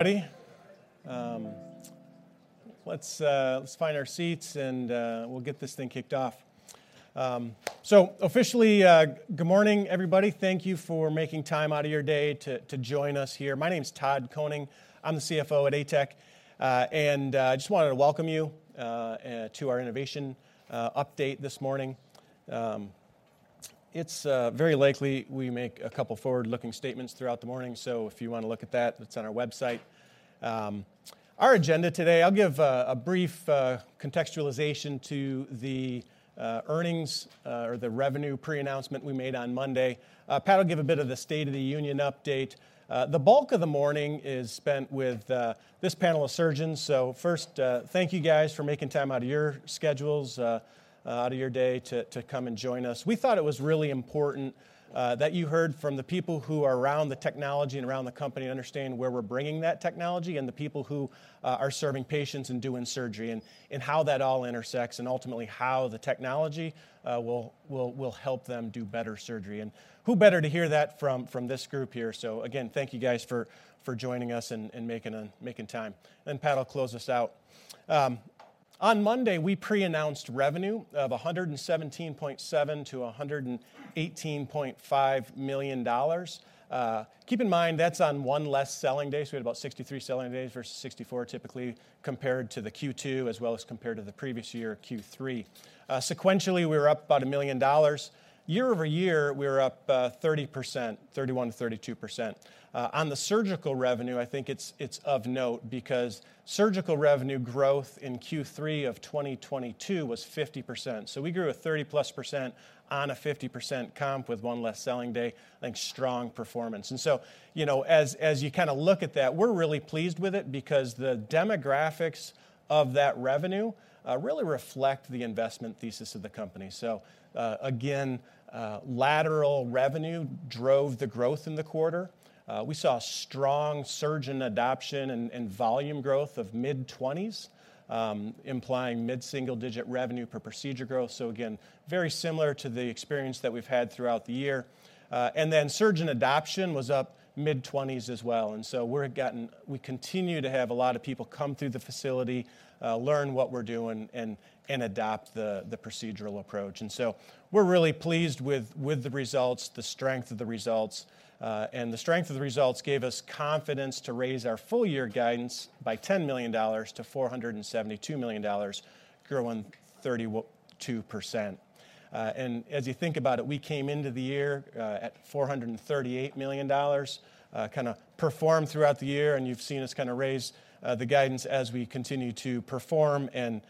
Ready? Let's find our seats, and we'll get this thing kicked off. So officially, Good morning, everybody. Thank you for making time out of your day to join us here. My name's Todd Koning. I'm the CFO at ATEC, and I just wanted to welcome you to our innovation update this morning. It's very likely we make a couple forward-looking statements throughout the morning, so if you wanna look at that, it's on our website. Our agenda today, I'll give a brief contextualization to the earnings or the revenue pre-announcement we made on Monday. Pat will give a bit of the state of the union update. The bulk of the morning is spent with this panel of surgeons. So first, thank you guys for making time out of your schedules, out of your day to come and join us. We thought it was really important, that you heard from the people who are around the technology and around the company, understand where we're bringing that technology, and the people who are serving patients and doing surgery, and how that all intersects, and ultimately, how the technology will help them do better surgery. And who better to hear that from this group here? So again, thank you guys for joining us and making time. Then Pat will close us out. On Monday, we pre-announced revenue of $117.7-$118.5 million. Keep in mind, that's on one less selling day, so we had about 63 selling days versus 64 typically, compared to the Q2, as well as compared to the previous year, Q3. Sequentially, we were up about $1 million. Year-over-year, we were up 30%, 31%-32%. On the surgical revenue, I think it's of note because surgical revenue growth in Q3 of 2022 was 50%, so we grew 30+% on a 50% comp with one less selling day. I think strong performance. And so, you know, as you kinda look at that, we're really pleased with it because the demographics of that revenue really reflect the investment thesis of the company. So, again, lateral revenue drove the growth in the quarter. We saw strong surgeon adoption and, and volume growth of mid-20s, implying mid-single-digit revenue per procedure growth, so again, very similar to the experience that we've had throughout the year. Then surgeon adoption was up mid-20s as well, and so we continue to have a lot of people come through the facility, learn what we're doing, and, and adopt the, the procedural approach. So we're really pleased with, with the results, the strength of the results, and the strength of the results gave us confidence to raise our full-year guidance by $10 million to $472 million, growing 32%. And as you think about it, we came into the year at $438 million, kinda performed throughout the year, and you've seen us kinda raise the guidance as we continue to perform and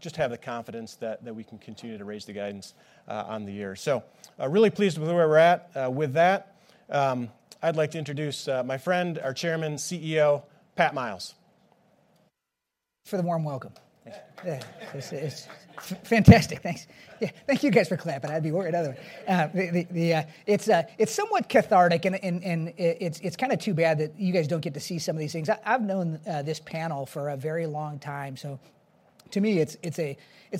just have the confidence that we can continue to raise the guidance on the year. So, really pleased with where we're at. With that, I'd like to introduce my friend, our Chairman, CEO, Pat Miles. for the warm welcome. Yeah, it's fantastic. Thanks. Yeah, thank you guys for clapping. I'd be worried otherwise. It's somewhat cathartic and it's kinda too bad that you guys don't get to see some of these things. I've known this panel for a very long time, so to me, it's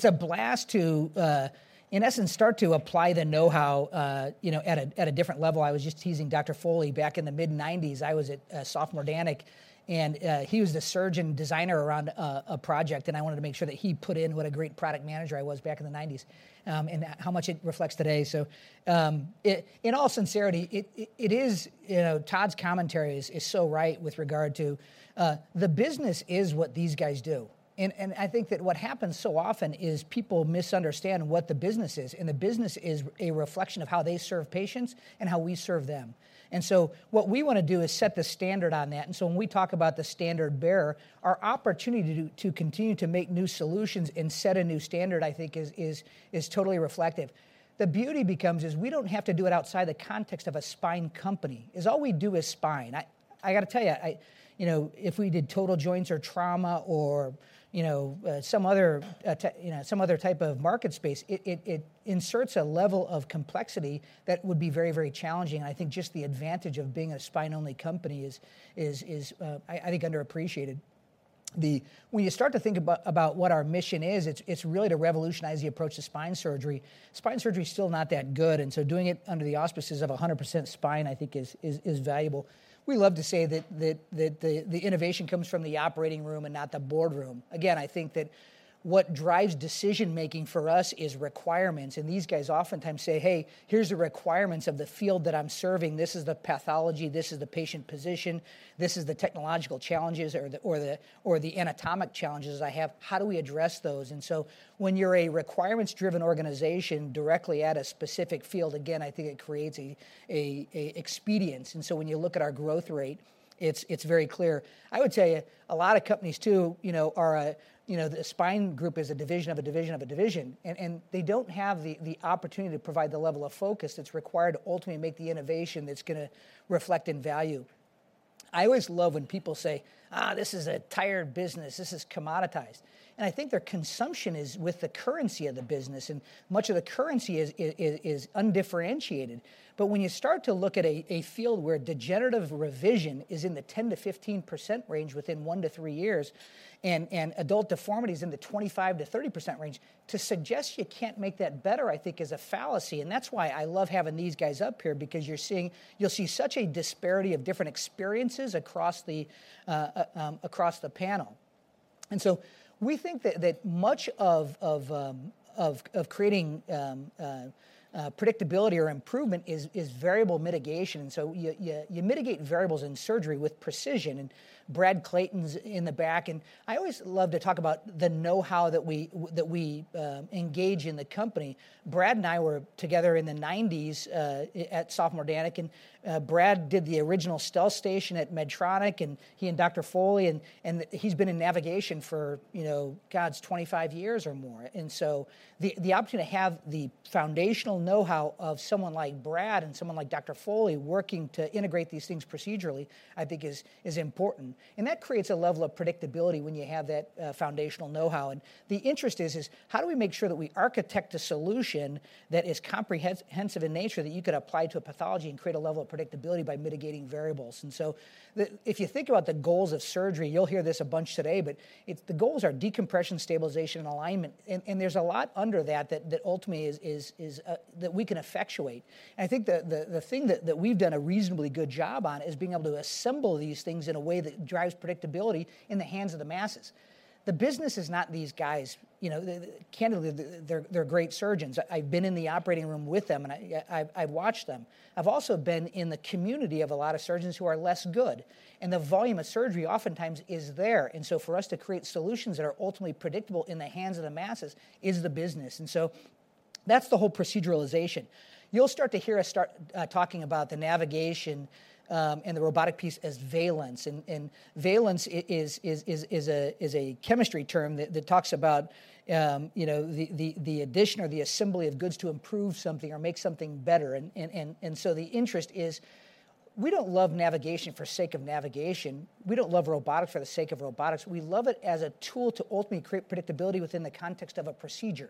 a blast to in essence start to apply the know-how, you know, at a different level. I was just teasing Dr. Foley, back in the mid-1990s, I was at Sofamor Danek, and he was the surgeon designer around a project, and I wanted to make sure that he put in what a great product manager I was back in the 1990s, and how much it reflects today. So, in all sincerity, it is, you know, Todd's commentary is so right with regard to the business is what these guys do, and I think that what happens so often is people misunderstand what the business is, and the business is a reflection of how they serve patients and how we serve them. And so what we wanna do is set the standard on that, and so when we talk about the standard bearer, our opportunity to continue to make new solutions and set a new standard, I think, is totally reflective. The beauty becomes is we don't have to do it outside the context of a spine company, is all we do is spine. I gotta tell you, I... You know, if we did total joints or trauma or, you know, some other type of market space, it inserts a level of complexity that would be very, very challenging, and I think just the advantage of being a spine-only company is, I think, underappreciated. When you start to think about what our mission is, it's really to revolutionize the approach to spine surgery. Spine surgery is still not that good, and so doing it under the auspices of 100% spine, I think, is valuable. We love to say that the innovation comes from the operating room and not the boardroom. Again, I think that what drives decision-making for us is requirements, and these guys oftentimes say, "Hey, here's the requirements of the field that I'm serving. This is the pathology, this is the patient position, this is the technological challenges or the anatomic challenges I have. How do we address those?" And so when you're a requirements-driven organization directly at a specific field, again, I think it creates expedience, and so when you look at our growth rate, it's very clear. I would tell you, a lot of companies too, you know, are, you know, the spine group is a division of a division of a division, and they don't have the opportunity to provide the level of focus that's required to ultimately make the innovation that's gonna reflect in value. I always love when people say, "Ah, this is a tired business. This is commoditized." And I think their consumption is with the currency of the business, and much of the currency is undifferentiated. But when you start to look at a field where degenerative revision is in the 10%-15% range within one to three years, and adult deformity is in the 25%-30% range, to suggest you can't make that better, I think, is a fallacy, and that's why I love having these guys up here because you're seeing—you'll see such a disparity of different experiences across the panel. And so we think that much of creating predictability or improvement is variable mitigation. And so you mitigate variables in surgery with precision. Brad Clayton's in the back, and I always love to talk about the know-how that we engage in the company. Brad and I were together in the 1990s at Sofamor Danek, and Brad did the original StealthStation at Medtronic, and he and Dr. Foley, and he's been in navigation for, you know, God's 25 years or more. So the opportunity to have the foundational know-how of someone like Brad and someone like Dr. Foley working to integrate these things procedurally, I think is important. And that creates a level of predictability when you have that foundational know-how. And the interest is how do we make sure that we architect a solution that is comprehensive in nature, that you could apply to a pathology and create a level of predictability by mitigating variables? So the... If you think about the goals of surgery, you'll hear this a bunch today, but it's the goals are decompression, stabilization, and alignment. And there's a lot under that that ultimately is that we can effectuate. And I think the thing that we've done a reasonably good job on is being able to assemble these things in a way that drives predictability in the hands of the masses. The business is not these guys, you know, they candidly, they're great surgeons. I've been in the operating room with them, and I've watched them. I've also been in the community of a lot of surgeons who are less good, and the volume of surgery oftentimes is there. And so for us to create solutions that are ultimately predictable in the hands of the masses is the business. So that's the whole proceduralization. You'll start to hear us start talking about the navigation, and the robotic piece as Valence. And, Valence is a chemistry term that talks about, you know, the addition or the assembly of goods to improve something or make something better. And, so the interest is, we don't love navigation for sake of navigation. We don't love robotics for the sake of robotics. We love it as a tool to ultimately create predictability within the context of a procedure.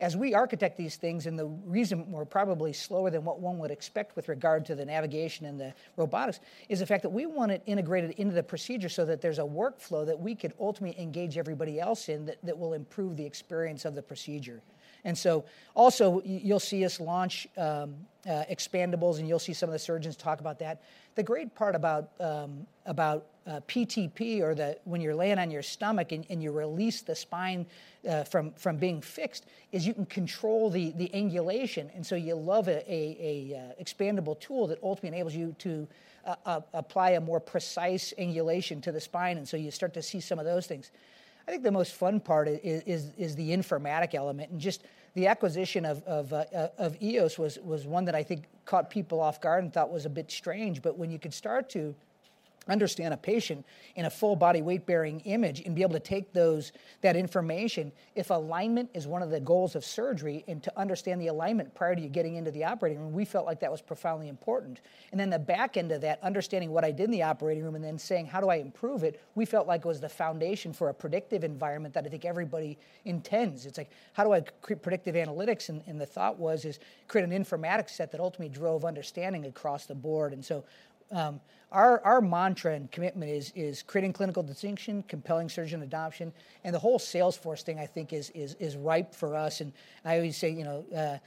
As we architect these things, and the reason we're probably slower than what one would expect with regard to the navigation and the robotics, is the fact that we want it integrated into the procedure so that there's a workflow that we could ultimately engage everybody else in, that will improve the experience of the procedure. Also, you'll see us launch expandables, and you'll see some of the surgeons talk about that. The great part about PTP or, when you're laying on your stomach and you release the spine from being fixed, is you can control the angulation, and so you love a expandable tool that ultimately enables you to apply a more precise angulation to the spine, and so you start to see some of those things. I think the most fun part is the informatic element, and just the acquisition of EOS was one that I think caught people off guard and thought was a bit strange. But when you can start to understand a patient in a full-body weight-bearing image and be able to take that information, if alignment is one of the goals of surgery, and to understand the alignment prior to you getting into the operating room, we felt like that was profoundly important. And then the back end of that, understanding what I did in the operating room and then saying, "How do I improve it?" We felt like it was the foundation for a predictive environment that I think everybody intends. It's like, how do I create predictive analytics? The thought was to create an informatics set that ultimately drove understanding across the board. So, our mantra and commitment is creating clinical distinction, compelling surgeon adoption, and the whole sales force thing, I think, is ripe for us. And I always say, you know,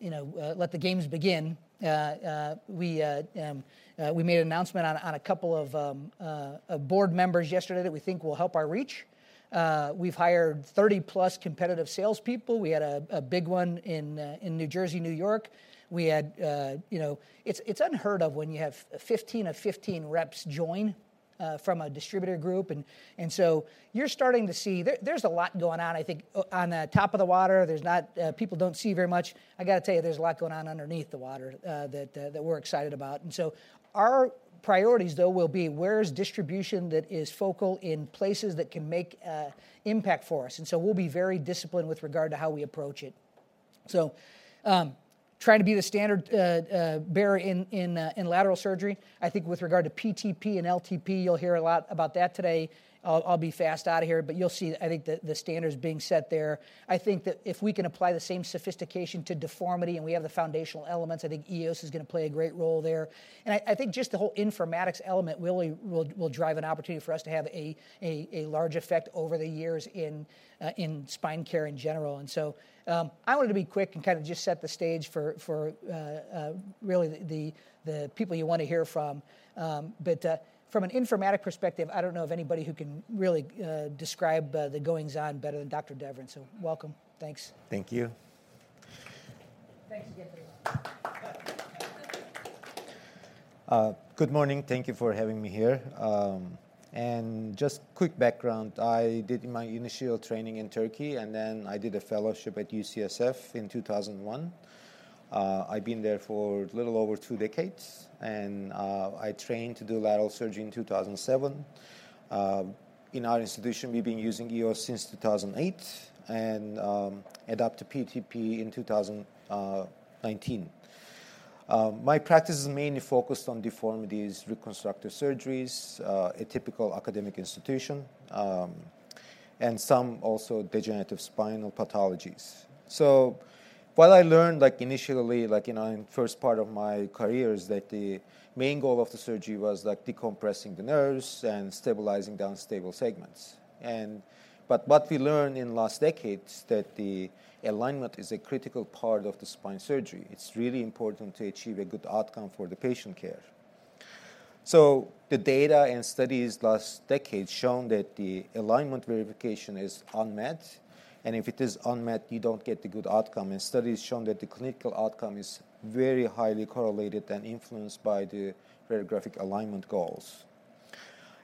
you know, "Let the games begin." We made an announcement on a couple of board members yesterday that we think will help our reach. We've hired 30+ competitive salespeople. We had a big one in New Jersey, New York. You know, it's unheard of when you have 15 of 15 reps join from a distributor group. You're starting to see there's a lot going on, I think, on the top of the water. There's not, people don't see very much. I gotta tell you, there's a lot going on underneath the water that we're excited about. Our priorities, though, will be: Where is distribution that is focal in places that can make impact for us? We'll be very disciplined with regard to how we approach it. Trying to be the standard bearer in lateral surgery, I think with regard to PTP and LTP, you'll hear a lot about that today. I'll be fast out of here, but you'll see, I think, the standards being set there. I think that if we can apply the same sophistication to deformity, and we have the foundational elements, I think EOS is going to play a great role there. And I think just the whole informatics element really will drive an opportunity for us to have a large effect over the years in spine care in general. And so I wanted to be quick and kind of just set the stage for really the people you want to hear from. But from an informatics perspective, I don't know of anybody who can really describe the goings-on better than Dr. Deviren. So welcome. Thanks. Thank you. Thanks again, please. Good morning. Thank you for having me here. Just quick background, I did my initial training in Turkey, and then I did a fellowship at UCSF in 2001. I've been there for a little over 2 decades, and I trained to do lateral surgery in 2007. In our institution, we've been using EOS since 2008, and adopted PTP in 2019. My practice is mainly focused on deformities, reconstructive surgeries, a typical academic institution, and some also degenerative spinal pathologies. So what I learned, like initially, like, you know, in first part of my career, is that the main goal of the surgery was, like, decompressing the nerves and stabilizing the unstable segments. But what we learned in last decades, that the alignment is a critical part of the spine surgery. It's really important to achieve a good outcome for the patient care. So the data and studies last decade shown that the alignment verification is unmet, and if it is unmet, you don't get the good outcome. And studies shown that the clinical outcome is very highly correlated and influenced by the radiographic alignment goals.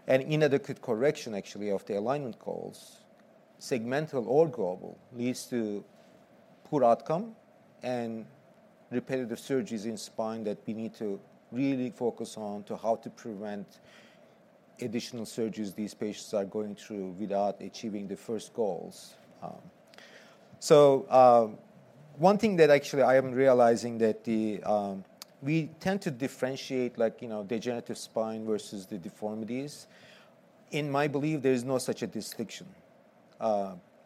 And inadequate correction, actually, of the alignment goals, segmental or global, leads to poor outcome and repetitive surgeries in spine that we need to really focus on to how to prevent additional surgeries these patients are going through without achieving the first goals. So, one thing that actually I am realizing that the, we tend to differentiate, like, you know, degenerative spine versus the deformities. In my belief, there is no such a distinction.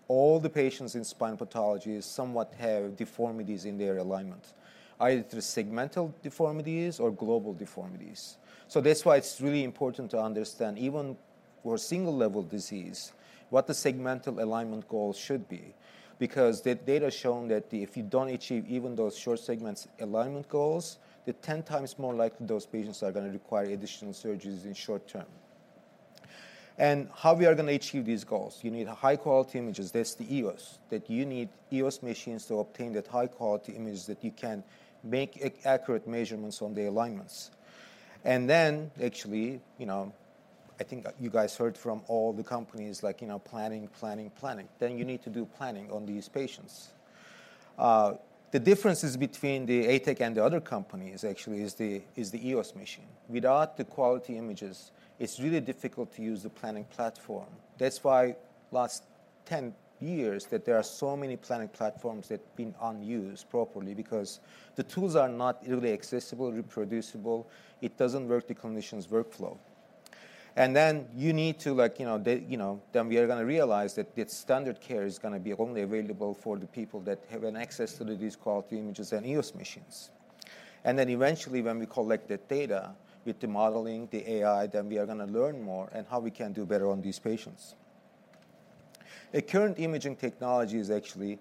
All the patients in spine pathology somewhat have deformities in their alignment, either through segmental deformities or global deformities. So that's why it's really important to understand, even for a single-level disease, what the segmental alignment goals should be. Because the data shown that if you don't achieve even those short segments alignment goals, they're 10 times more likely those patients are gonna require additional surgeries in short term. And how we are gonna achieve these goals? You need high-quality images. That's the EOS, that you need EOS machines to obtain that high-quality images that you can make accurate measurements on the alignments. And then actually, you know, I think you guys heard from all the companies like, you know, planning, planning, planning. Then you need to do planning on these patients. The differences between the ATEC and the other companies actually is the EOS machine. Without the quality images, it's really difficult to use the planning platform. That's why last 10 years, that there are so many planning platforms that have been unused properly because the tools are not easily accessible, reproducible, it doesn't work the clinician's workflow. And then you need to, like, you know, then we are gonna realize that the standard care is gonna be only available for the people that have an access to these quality images and EOS machines. And then eventually, when we collect the data with the modeling, the AI, then we are gonna learn more and how we can do better on these patients. Current imaging technologies actually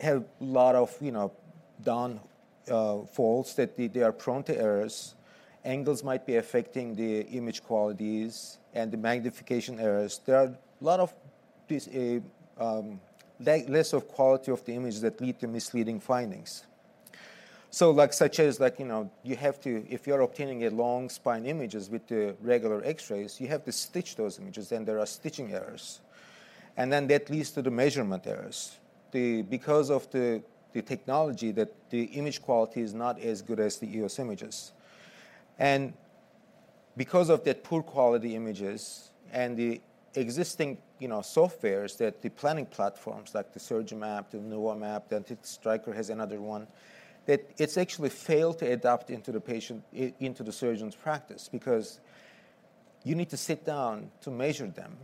have a lot of, you know, downfalls, that they are prone to errors. Angles might be affecting the image qualities and the magnification errors. There are a lot of this lack of quality of the image that lead to misleading findings. So, like, such as, like, you know, you have to... If you're obtaining a long spine images with the regular X-rays, you have to stitch those images, and there are stitching errors, and then that leads to the measurement errors. Because of the technology, that the image quality is not as good as the EOS images. And because of that poor quality images and the existing, you know, softwares, that the planning platforms, like the Surgimap, the NuvaMap, the Stryker has another one, that it's actually failed to adapt into the patient, into the surgeon's practice, because you need to sit down to measure them.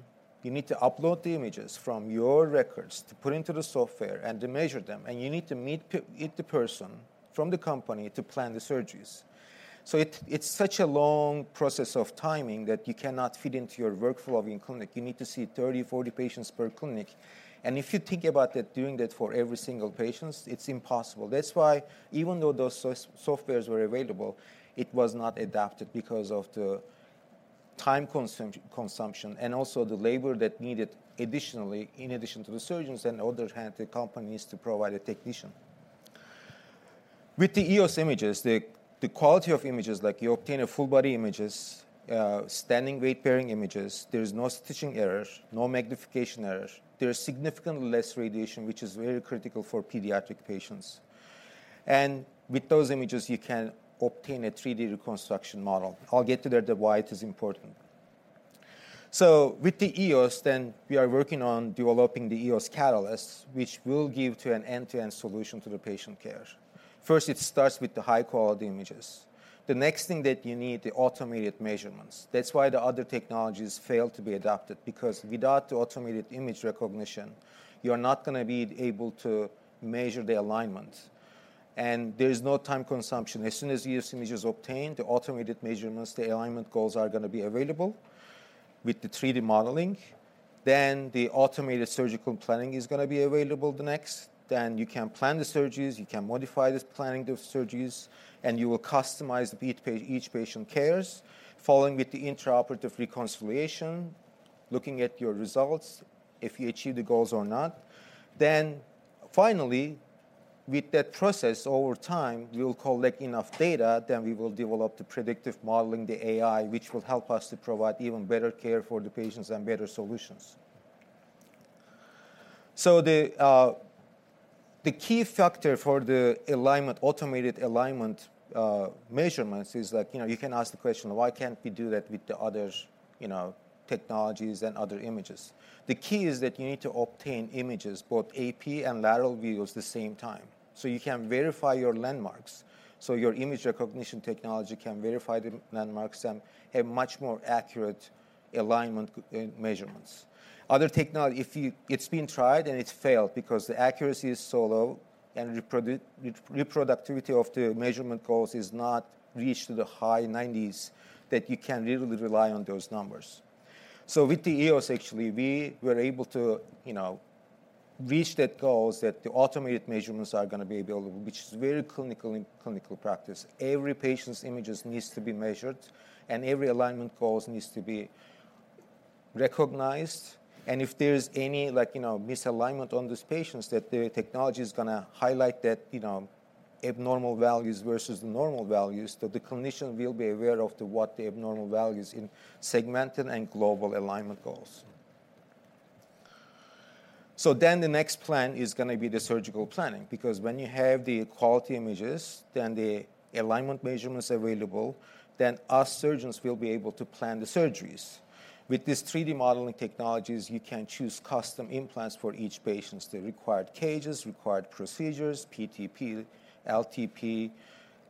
You need to upload the images from your records to put into the software and to measure them, and you need to meet the person from the company to plan the surgeries. So it's such a long process of timing that you cannot fit into your workflow of your clinic. You need to see 30, 40 patients per clinic, and if you think about that, doing that for every single patients, it's impossible. That's why even though those softwares were available, it was not adapted because of the time consumption and also the labor that needed additionally, in addition to the surgeons and other hand, the companies to provide a technician. With the EOS images, the quality of images, like you obtain a full body images, standing weight-bearing images, there is no stitching errors, no magnification errors. There is significantly less radiation, which is very critical for pediatric patients. And with those images, you can obtain a 3D reconstruction model. I'll get to that, why it is important. So with the EOS then, we are working on developing the EOS Catalyst, which will give to an end-to-end solution to the patient care. First, it starts with the high-quality images. The next thing that you need, the automated measurements. That's why the other technologies failed to be adapted, because without the automated image recognition, you are not gonna be able to measure the alignment, and there is no time consumption. As soon as the EOS image is obtained, the automated measurements, the alignment goals are gonna be available with the 3D modeling. Then the automated surgical planning is gonna be available the next. Then you can plan the surgeries, you can modify the planning of surgeries, and you will customize the patient care, following with the intraoperative reconciliation, looking at your results, if you achieve the goals or not. Then finally, with that process, over time, we will collect enough data, then we will develop the predictive modeling, the AI, which will help us to provide even better care for the patients and better solutions. So the key factor for the alignment, automated alignment measurements is like, you know, you can ask the question: Why can't we do that with the others, you know, technologies and other images? The key is that you need to obtain images, both AP and lateral views, the same time, so you can verify your landmarks. So your image recognition technology can verify the landmarks and have much more accurate alignment in measurements. Other technology, if it's been tried and it's failed because the accuracy is so low and reproducibility of the measurement goals is not reached to the high 90s, that you can't really rely on those numbers. So with the EOS, actually, we were able to, you know, reach that goals that the automated measurements are going to be available, which is very clinical in clinical practice. Every patient's images needs to be measured, and every alignment goals needs to be recognized, and if there's any, like, you know, misalignment on these patients, that the technology is going to highlight that, you know, abnormal values versus normal values, that the clinician will be aware of the, what the abnormal values in segmental and global alignment goals. So then the next plan is going to be the surgical planning, because when you have the quality images, then the alignment measurements available, then us surgeons will be able to plan the surgeries. With these 3D modeling technologies, you can choose custom implants for each patient, the required cages, required procedures, PTP, LTP,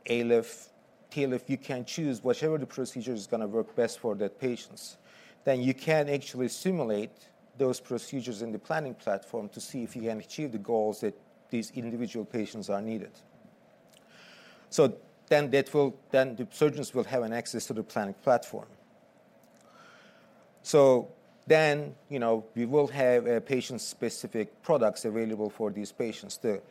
ALIF, TLIF. You can choose whichever the procedure is going to work best for that patients. Then you can actually simulate those procedures in the planning platform to see if you can achieve the goals that these individual patients are needed. So then that will then the surgeons will have an access to the planning platform. So then, you know, we will have patient-specific products available for these patients. The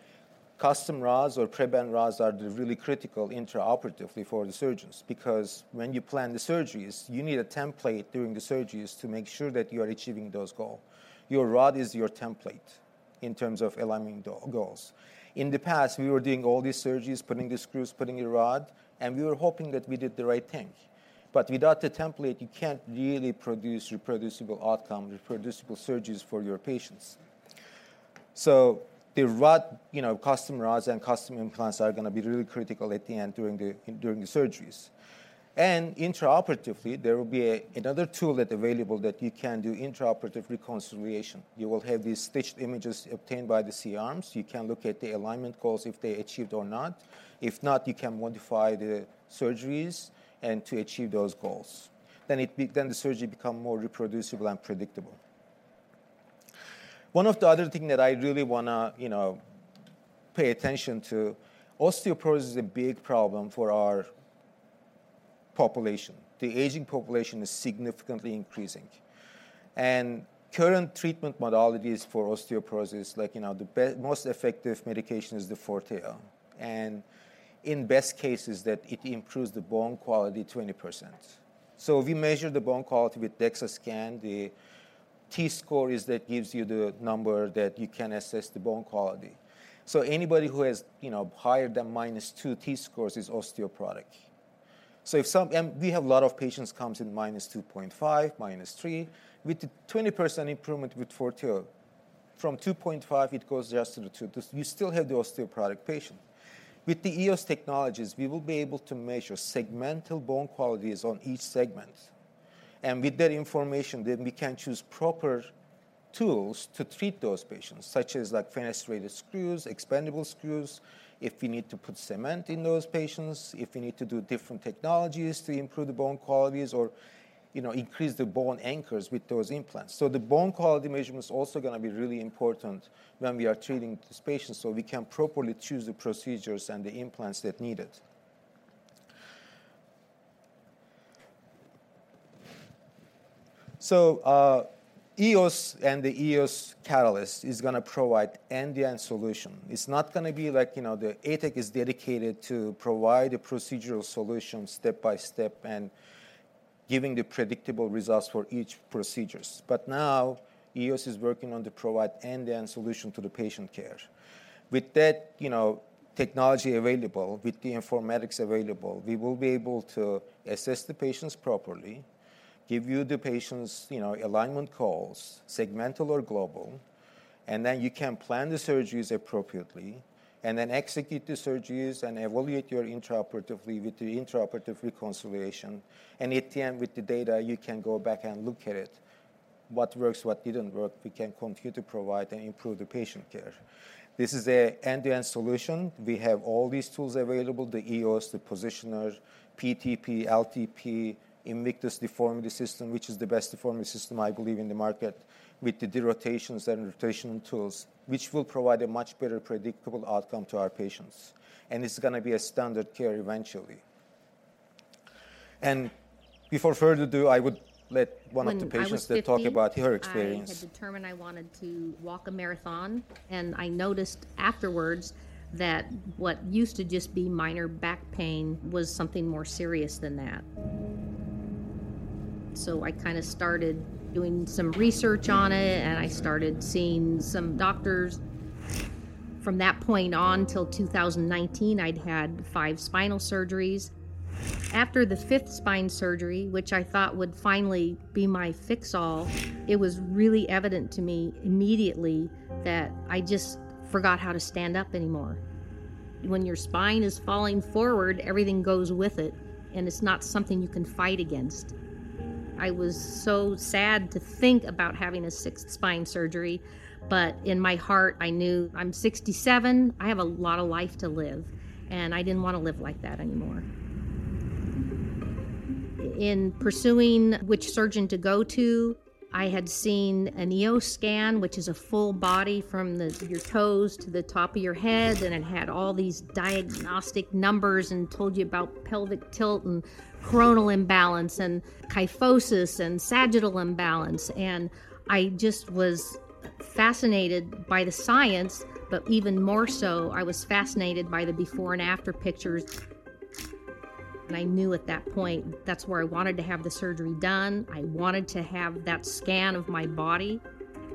custom rods or pre-bent rods are really critical intraoperatively for the surgeons, because when you plan the surgeries, you need a template during the surgeries to make sure that you are achieving those goals. Your rod is your template in terms of aligning goals. In the past, we were doing all these surgeries, putting the screws, putting a rod, and we were hoping that we did the right thing. But without the template, you can't really produce reproducible outcomes, reproducible surgeries for your patients. So the rod, you know, custom rods and custom implants are going to be really critical at the end, during the surgeries. And intraoperatively, there will be another tool that's available that you can do intra-operative reconciliation. You will have these stitched images obtained by the C-arms. You can look at the alignment goals, if they achieved or not. If not, you can modify the surgeries and to achieve those goals. Then the surgery become more reproducible and predictable. One of the other thing that I really want to, you know, pay attention to, osteoporosis is a big problem for our population. The aging population is significantly increasing, and current treatment modalities for osteoporosis, like, you know, the most effective medication is the Forteo, and in best cases, that it improves the bone quality 20%. So we measure the bone quality with DEXA scan. The T-score is that gives you the number that you can assess the bone quality. So anybody who has, you know, higher than -2 T-scores is osteoporotic. So and we have a lot of patients comes in -2.5, -3. With the 20% improvement with Forteo, from 2.5, it goes just to the 2. We still have the osteoporotic patient. With the EOS technologies, we will be able to measure segmental bone qualities on each segment, and with that information, then we can choose proper tools to treat those patients, such as, like, fenestrated screws, expandable screws, if we need to put cement in those patients, if we need to do different technologies to improve the bone qualities or, you know, increase the bone anchors with those implants. So the bone quality measurement is also going to be really important when we are treating these patients, so we can properly choose the procedures and the implants that needed. So, EOS and the EOS Catalyst is going to provide end-to-end solution. It's not going to be like, you know, the ATEC is dedicated to provide a procedural solution step by step and giving the predictable results for each procedures. But now, EOS is working on to provide end-to-end solution to the patient care. With that, you know, technology available, with the informatics available, we will be able to assess the patients properly, give you the patient's, you know, alignment goals, segmental or global, and then you can plan the surgeries appropriately, and then execute the surgeries and evaluate your intraoperatively with the intraoperative reconciliation. And at the end, with the data, you can go back and look at it, what works, what didn't work. We can continue to provide and improve the patient care. This is a end-to-end solution. We have all these tools available, the EOS, the positioners, PTP, LTP, Invictus deformity system, which is the best deformity system, I believe, in the market, with the derotations and rotational tools, which will provide a much better predictable outcome to our patients, and it's going to be a standard care eventually. Without further ado, I would let one of the patients to talk about her experience. When I was 50, I had determined I wanted to walk a marathon, and I noticed afterwards that what used to just be minor back pain was something more serious than that. So I kind of started doing some research on it, and I started seeing some doctors. From that point on till 2019, I'd had five spinal surgeries. After the 5th spine surgery, which I thought would finally be my fix-all, it was really evident to me immediately that I just forgot how to stand up anymore. When your spine is falling forward, everything goes with it, and it's not something you can fight against. I was so sad to think about having a 6th spine surgery, but in my heart, I knew I'm 67, I have a lot of life to live, and I didn't want to live like that anymore. In pursuing which surgeon to go to, I had seen an EOS scan, which is a full body from your toes to the top of your head, and it had all these diagnostic numbers, and told you about pelvic tilt, and coronal imbalance, and kyphosis, and sagittal imbalance. I just was fascinated by the science, but even more so, I was fascinated by the before and after pictures. I knew at that point, that's where I wanted to have the surgery done. I wanted to have that scan of my body,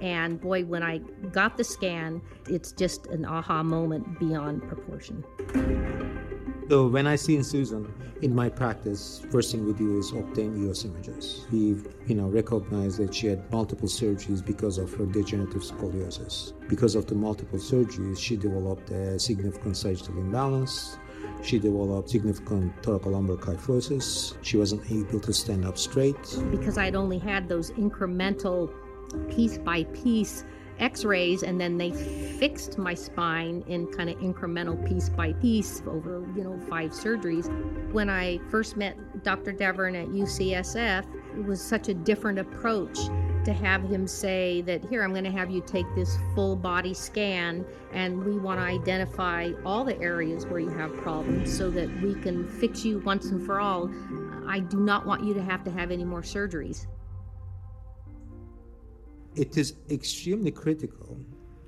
and boy, when I got the scan, it's just an aha moment beyond proportion. When I seen Susan in my practice, first thing we do is obtain EOS images. We've, you know, recognized that she had multiple surgeries because of her degenerative scoliosis. Because of the multiple surgeries, she developed a significant sagittal imbalance. She developed significant thoracolumbar kyphosis. She wasn't able to stand up straight. Because I'd only had those incremental piece-by-piece X-rays, and then they fixed my spine in kinda incremental piece by piece over, you know, five surgeries. When I first met Dr. Deviren at UCSF, it was such a different approach to have him say that, "Here, I'm gonna have you take this full body scan, and we wanna identify all the areas where you have problems, so that we can fix you once and for all. I do not want you to have to have any more surgeries. It is extremely critical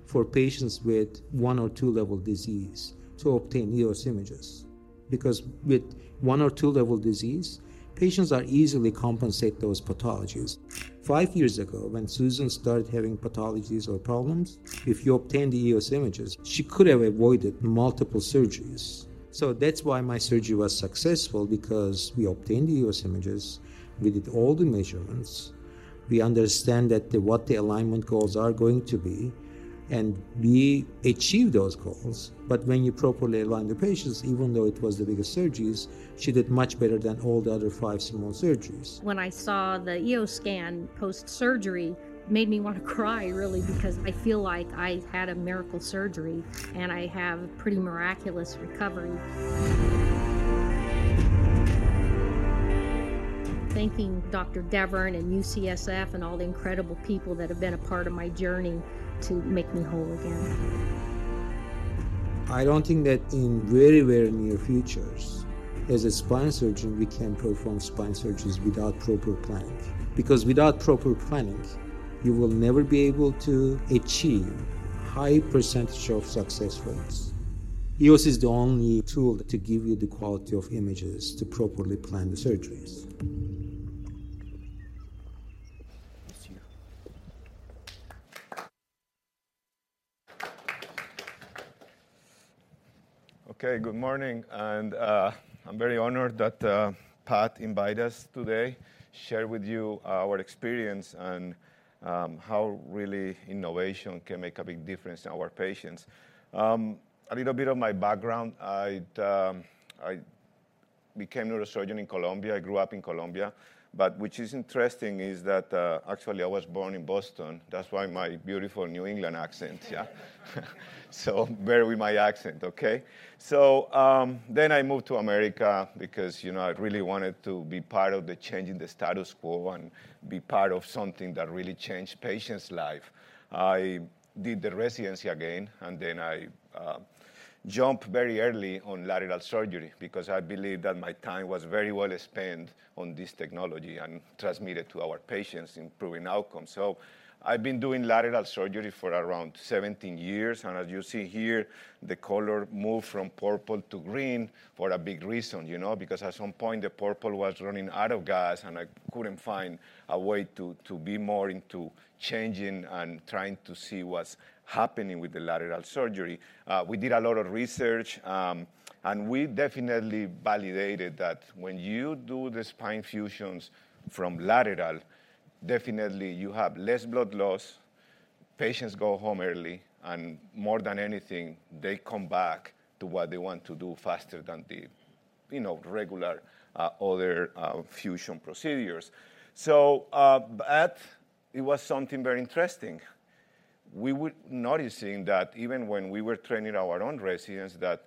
for patients with one or two-level disease to obtain EOS images, because with one or two-level disease, patients are easily compensate those pathologies. Five years ago, when Susan started having pathologies or problems, if you obtain the EOS images, she could have avoided multiple surgeries. So that's why my surgery was successful, because we obtained the EOS images, we did all the measurements, we understand that the what the alignment goals are going to be, and we achieve those goals. But when you properly align the patients, even though it was the bigger surgeries, she did much better than all the other five small surgeries. When I saw the EOS scan post-surgery, it made me want to cry, really, because I feel like I had a miracle surgery, and I have a pretty miraculous recovery. Thanking Dr. Deviren, and UCSF, and all the incredible people that have been a part of my journey to make me whole again. I don't think that in very, very near futures, as a spine surgeon, we can perform spine surgeries without proper planning, because without proper planning, you will never be able to achieve high percentage of success rates. EOS is the only tool to give you the quality of images to properly plan the surgeries. Okay, Good morning, and I'm very honored that Pat invite us today, share with you our experience on how really innovation can make a big difference in our patients. A little bit of my background. I became neurosurgeon in Colombia. I grew up in Colombia, but which is interesting is that actually I was born in Boston. That's why my beautiful New England accent. Yeah. So bear with my accent, okay? So then I moved to America because you know I really wanted to be part of the changing the status quo and be part of something that really changed patients' life. I did the residency again, and then I jumped very early on lateral surgery because I believed that my time was very well spent on this technology and transmitted to our patients, improving outcomes. So I've been doing lateral surgery for around 17 years, and as you see here, the color moved from purple to green for a big reason, you know. Because at some point, the purple was running out of gas, and I couldn't find a way to be more into changing and trying to see what's happening with the lateral surgery. We did a lot of research, and we definitely validated that when you do the spine fusions from lateral, definitely you have less blood loss, patients go home early, and more than anything, they come back to what they want to do faster than the, you know, regular, other fusion procedures. So, but it was something very interesting. We were noticing that even when we were training our own residents, that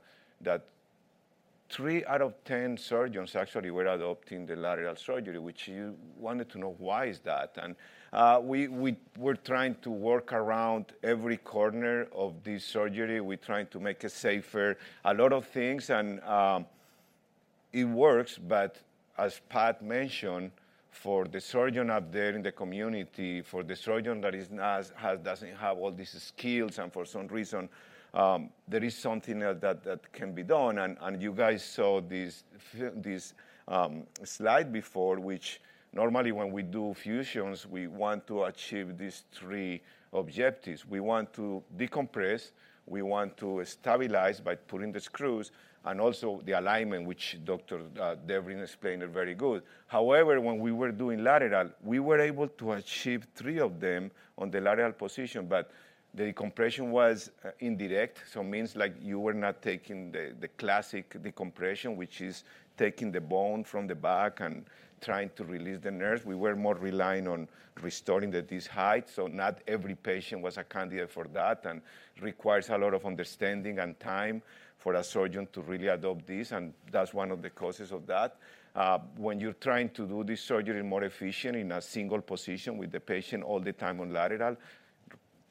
three out of ten surgeons actually were adopting the lateral surgery, which you wanted to know, why is that? And we were trying to work around every corner of this surgery. We trying to make it safer, a lot of things, and it works, but as Pat mentioned, for the surgeon out there in the community, for the surgeon that is not as doesn't have all these skills, and for some reason, there is something that can be done. And you guys saw this slide before, which normally when we do fusions, we want to achieve these three objectives. We want to decompress, we want to stabilize by putting the screws, and also the alignment, which Dr. Deviren explained it very good. However, when we were doing lateral, we were able to achieve three of them on the lateral position, but the decompression was indirect. So means like, you were not taking the classic decompression, which is taking the bone from the back and trying to release the nerve. We were more relying on restoring the disc height, so not every patient was a candidate for that, and requires a lot of understanding and time for a surgeon to really adopt this, and that's one of the causes of that. When you're trying to do this surgery more efficient in a single position with the patient all the time on lateral,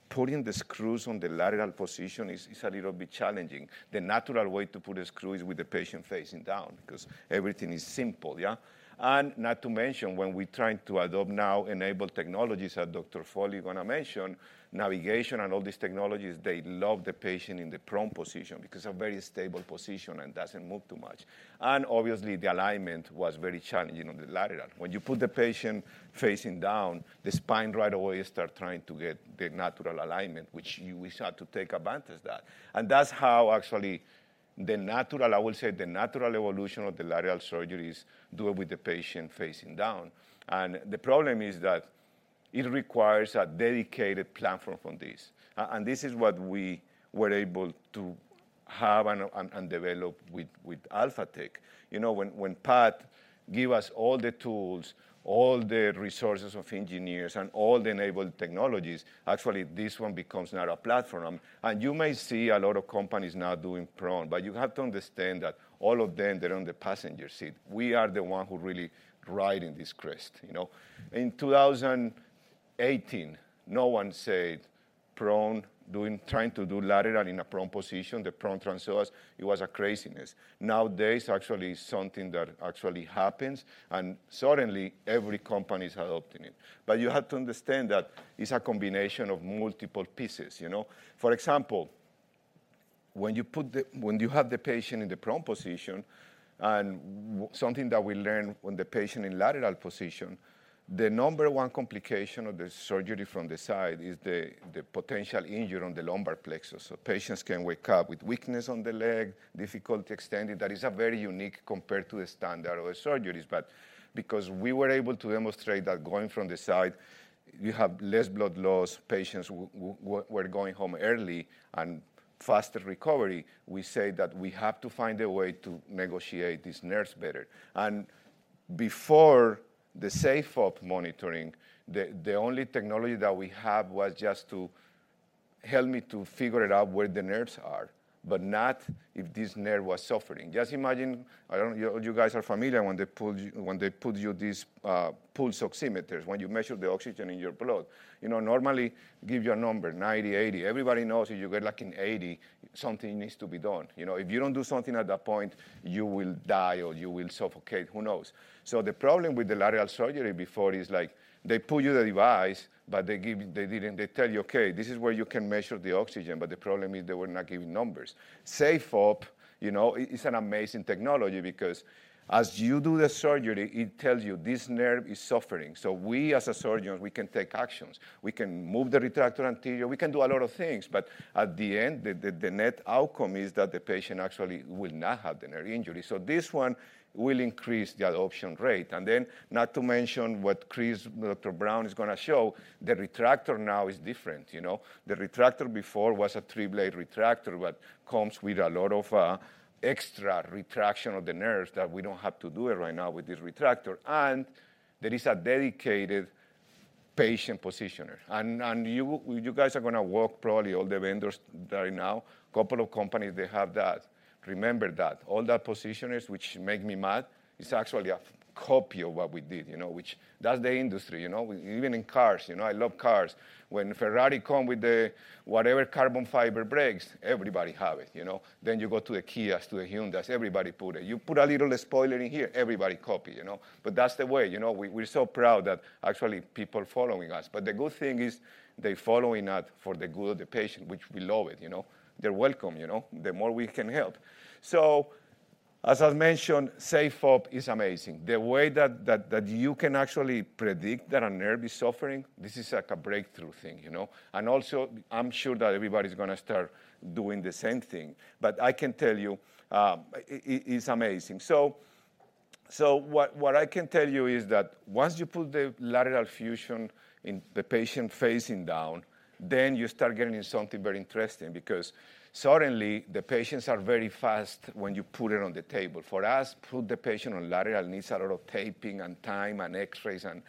putting the screws on the lateral position is a little bit challenging. The natural way to put a screw is with the patient facing down, because everything is simple, yeah? And not to mention, when we're trying to adopt now enable technologies that Dr. Foley is gonna mention, navigation and all these technologies, they love the patient in the prone position because a very stable position and doesn't move too much. And obviously, the alignment was very challenging on the lateral. When you put the patient facing down, the spine right away start trying to get the natural alignment, which we start to take advantage that. And that's how actually the natural, I will say, the natural evolution of the lateral surgeries do it with the patient facing down. And the problem is that it requires a dedicated platform from this. And this is what we were able to have and develop with Alphatec. You know, when Pat give us all the tools, all the resources of engineers and all the enabled technologies, actually, this one becomes now a platform. And you may see a lot of companies now doing prone, but you have to understand that all of them, they're on the passenger seat. We are the one who really ride in this crest, you know? In 2018, no one said prone, doing, trying to do lateral in a prone position, the Prone TransPsoas, it was a craziness. Nowadays, actually, something that actually happens, and suddenly, every company is adopting it. But you have to understand that it's a combination of multiple pieces, you know? For example, when you have the patient in the prone position, and something that we learn when the patient in lateral position, the number one complication of the surgery from the side is the potential injury on the lumbar plexus. So patients can wake up with weakness on the leg, difficulty extending. That is a very unique compared to the standard other surgeries, but because we were able to demonstrate that going from the side, you have less blood loss, patients were going home early and faster recovery, we say that we have to find a way to negotiate these nerves better. And before the SafeOp monitoring, the only technology that we had was just to help me to figure it out where the nerves are, but not if this nerve was suffering. Just imagine, I don't know, you guys are familiar when they put you, when they put you these, pulse oximeters, when you measure the oxygen in your blood. You know, normally, give you a number, 90, 80. Everybody knows if you get, like, an 80, something needs to be done. You know, if you don't do something at that point, you will die or you will suffocate, who knows? So the problem with the lateral surgery before is, like, they put you the device, but they give-- they didn't-- they tell you, "Okay, this is where you can measure the oxygen," but the problem is they were not giving numbers. SafeOp, you know, it's an amazing technology because as you do the surgery, it tells you this nerve is suffering. So we, as a surgeon, we can take actions. We can move the retractor anterior, we can do a lot of things, but at the end, the net outcome is that the patient actually will not have the nerve injury. So this one will increase the adoption rate. And then, not to mention what Chris, Dr. Brown, is gonna show, the retractor now is different, you know. The retractor before was a three-blade retractor, but comes with a lot of extra retraction of the nerves that we don't have to do it right now with this retractor, and there is a dedicated patient positioner. And you guys are gonna work, probably all the vendors right now, couple of companies, they have that. Remember that. All that positioners, which make me mad, is actually a copy of what we did, you know, which that's the industry, you know. Even in cars, you know, I love cars. When Ferrari come with the whatever carbon fiber brakes, everybody have it, you know? Then you go to the Kias, to the Hyundais, everybody put it. You put a little spoiler in here, everybody copy, you know? But that's the way, you know. We're so proud that actually people following us. But the good thing is they're following us for the good of the patient, which we love it, you know. They're welcome, you know. The more we can help. So as I've mentioned, SafeOp is amazing. The way that you can actually predict that a nerve is suffering, this is like a breakthrough thing, you know? And also, I'm sure that everybody's gonna start doing the same thing. But I can tell you, it, it's amazing. So what I can tell you is that once you put the lateral fusion in the patient facing down, then you start getting something very interesting, because suddenly, the patients are very fast when you put it on the table. For us, put the patient on lateral needs a lot of taping and time and X-rays, and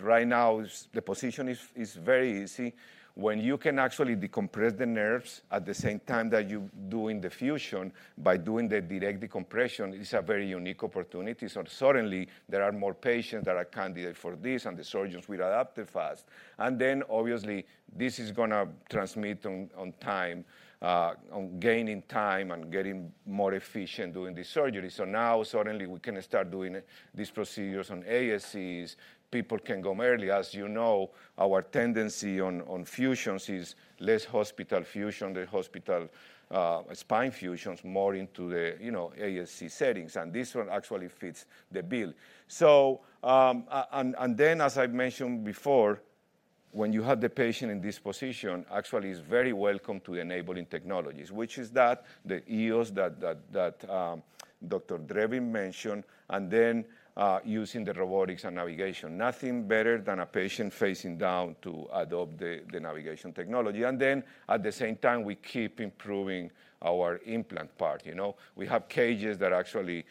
right now, the position is very easy. When you can actually decompress the nerves at the same time that you're doing the fusion by doing the direct decompression, it's a very unique opportunity. So suddenly, there are more patients that are candidate for this, and the surgeons will adapt it fast. And then, obviously, this is gonna transmit on time, on gaining time and getting more efficient doing the surgery. So now, suddenly, we can start doing these procedures on ASCs. People can come early. As you know, our tendency on fusions is less hospital fusion, the hospital spine fusions, more into the, you know, ASC settings, and this one actually fits the bill. So, and then, as I've mentioned before, when you have the patient in this position, actually is very welcome to enabling technologies, which is that the EOS that Dr. Deviren mentioned, and then, using the robotics and navigation. Nothing better than a patient facing down to adopt the navigation technology. And then at the same time, we keep improving our implant part, you know? We have cages that actually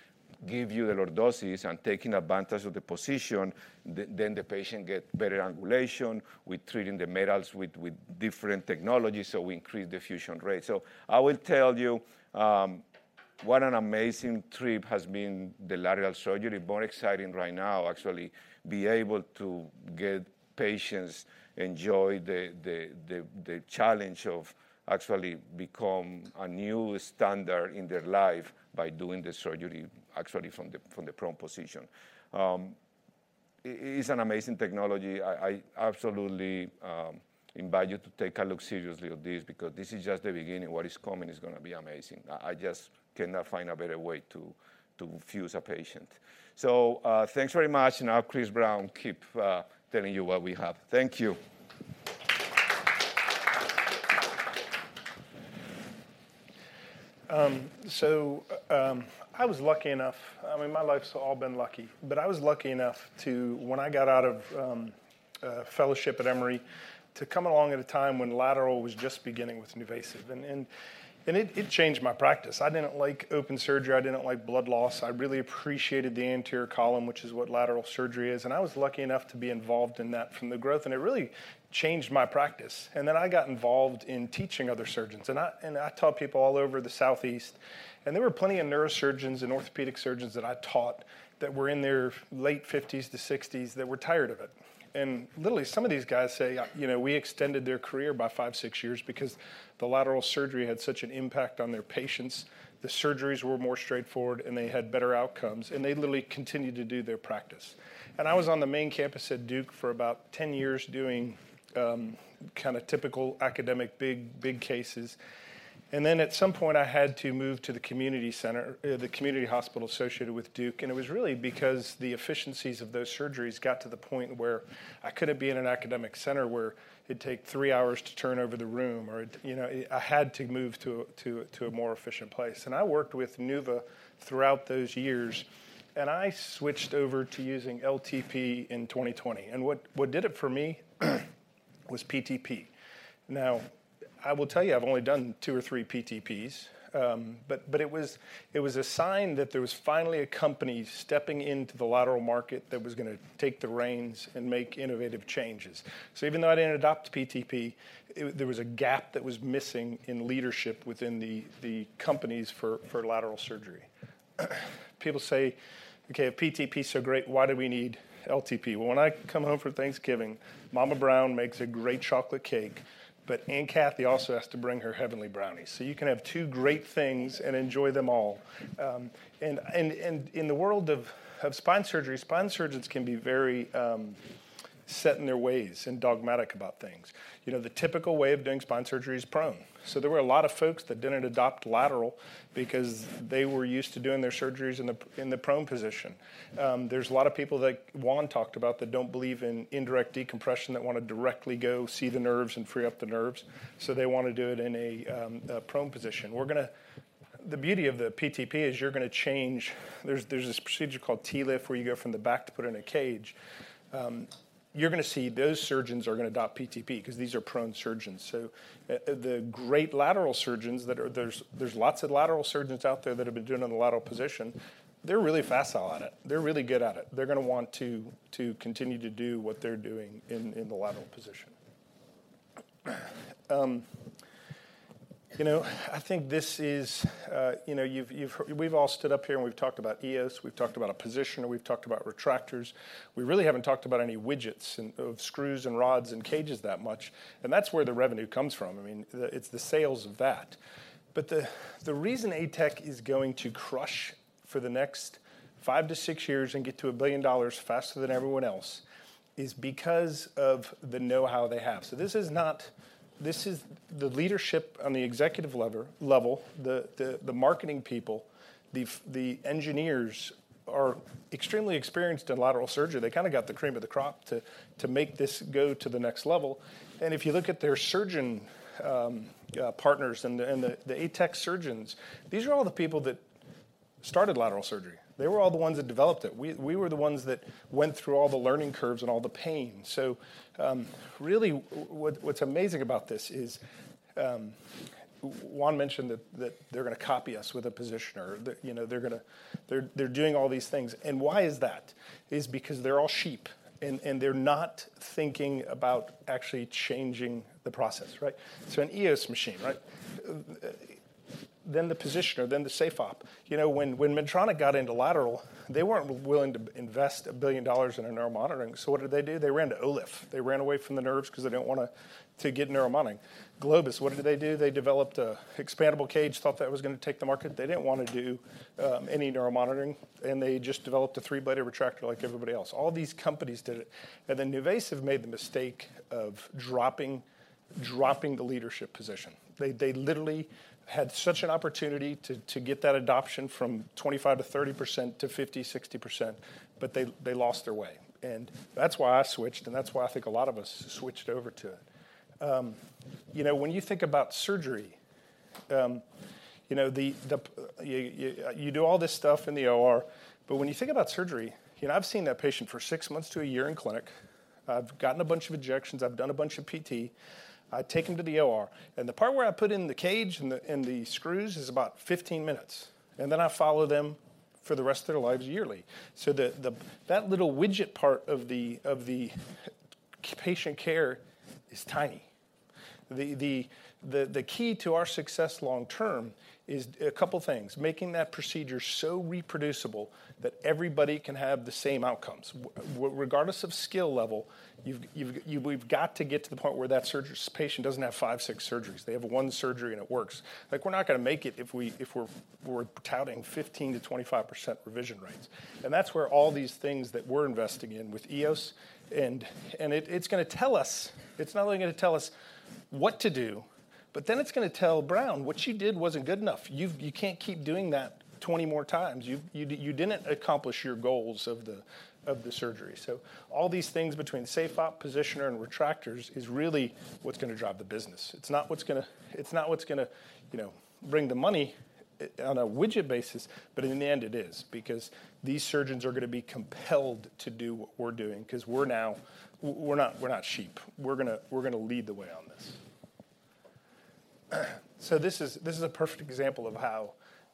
give you the lower doses and taking advantage of the position, then the patient get better angulation. We're treating the metals with different technologies, so we increase the fusion rate. So I will tell you... What an amazing trip has been the lateral surgery. More exciting right now, actually, be able to get patients enjoy the challenge of actually become a new standard in their life by doing the surgery actually from the prone position. It's an amazing technology. I absolutely invite you to take a look seriously at this, because this is just the beginning. What is coming is gonna be amazing. I just cannot find a better way to fuse a patient. So, thanks very much. Now, Chris Brown keep telling you what we have. Thank you. So, I was lucky enough, I mean, my life's all been lucky, but I was lucky enough to, when I got out of fellowship at Emory, to come along at a time when lateral was just beginning with NuVasive, and it changed my practice. I didn't like open surgery. I didn't like blood loss. I really appreciated the anterior column, which is what lateral surgery is, and I was lucky enough to be involved in that from the growth, and it really changed my practice. And then I got involved in teaching other surgeons, and I taught people all over the Southeast, and there were plenty of neurosurgeons and orthopedic surgeons that I taught that were in their late fifties to sixties that were tired of it. Literally, some of these guys say, you know, we extended their career by five six years because the lateral surgery had such an impact on their patients. The surgeries were more straightforward, and they had better outcomes, and they literally continued to do their practice. I was on the main campus at Duke for about 10 years doing kinda typical academic, big, big cases. Then, at some point, I had to move to the community center, the community hospital associated with Duke, and it was really because the efficiencies of those surgeries got to the point where I couldn't be in an academic center, where it'd take 3 hours to turn over the room, or, you know... I had to move to, to, to a more efficient place. I worked with NuVa throughout those years, and I switched over to using LTP in 2020. And what did it for me was PTP. Now, I will tell you, I've only done two or three PTPs, but it was a sign that there was finally a company stepping into the lateral market that was gonna take the reins and make innovative changes. So even though I didn't adopt PTP, it, there was a gap that was missing in leadership within the companies for lateral surgery. People say: "Okay, if PTP is so great, why do we need LTP?" Well, when I come home for Thanksgiving, Mama Brown makes a great chocolate cake, but Aunt Kathy also has to bring her heavenly brownies, so you can have two great things and enjoy them all. In the world of spine surgery, spine surgeons can be very set in their ways and dogmatic about things. You know, the typical way of doing spine surgery is prone. So there were a lot of folks that didn't adopt lateral because they were used to doing their surgeries in the prone position. There's a lot of people that Juan talked about that don't believe in indirect decompression, that want to directly go see the nerves and free up the nerves, so they want to do it in a prone position. The beauty of the PTP is you're gonna change. There's this procedure called TLIF, where you go from the back to put in a cage. You're gonna see those surgeons are gonna adopt PTP because these are prone surgeons. So, the great lateral surgeons that are. There's lots of lateral surgeons out there that have been doing it in a lateral position. They're really facile at it. They're really good at it. They're gonna want to continue to do what they're doing in the lateral position. You know, I think this is, you know, we've all stood up here, and we've talked about EOS, we've talked about a positioner, we've talked about retractors. We really haven't talked about any widgets and of screws and rods and cages that much, and that's where the revenue comes from. I mean, it's the sales of that. But the reason ATEC is going to crush for the next five to six years and get to a billion dollar faster than everyone else is because of the know-how they have. This is the leadership on the executive level, the marketing people, the engineers are extremely experienced in lateral surgery. They kinda got the cream of the crop to make this go to the next level. And if you look at their surgeon partners and the ATEC surgeons, these are all the people that started lateral surgery. They were all the ones that developed it. We were the ones that went through all the learning curves and all the pain. So, really, what's amazing about this is, Juan mentioned that they're gonna copy us with a positioner. That, you know, they're gonna. They're doing all these things, and why is that? It is because they're all sheep, and they're not thinking about actually changing the process, right? So an EOS machine, right? Then the positioner, then the SafeOp. You know, when Medtronic got into lateral, they weren't willing to invest a billion dollars in a neuromonitoring. So what did they do? They ran to OLIF. They ran away from the nerves because they didn't want to get neuromonitoring. Globus, what did they do? They developed an expandable cage, thought that was gonna take the market. They didn't want to do any neuromonitoring, and they just developed a three-bladed retractor like everybody else. All these companies did it, and then NuVasive made the mistake of dropping the leadership position. They literally had such an opportunity to get that adoption from 25%-30% to 50%-60%, but they lost their way, and that's why I switched, and that's why I think a lot of us switched over to it. You know, when you think about surgery, you know, do all this stuff in the OR, but when you think about surgery, you know, I've seen that patient for six months to a year in clinic. I've gotten a bunch of injections. I've done a bunch of PT. I take them to the OR, and the part where I put in the cage and the screws is about 15 minutes, and then I follow them for the rest of their lives yearly. So the key to our success long term is a couple things: making that procedure so reproducible that everybody can have the same outcomes. Regardless of skill level, we've got to get to the point where that surgery patient doesn't have five, six surgeries. They have one surgery, and it works. Like, we're not going to make it if we're touting 15%-25% revision rates. And that's where all these things that we're investing in with EOS, and it's going to tell us, it's not only going to tell us what to do, but then it's going to tell Brown what she did wasn't good enough. You can't keep doing that 20 more times. You didn't accomplish your goals of the surgery. So all these things between SafeOp positioner and retractors is really what's going to drive the business. It's not what's going to, you know, bring the money on a widget basis, but in the end, it is because these surgeons are going to be compelled to do what we're doing because we're now... We're not sheep. We're going to lead the way on this. So this is a perfect example of how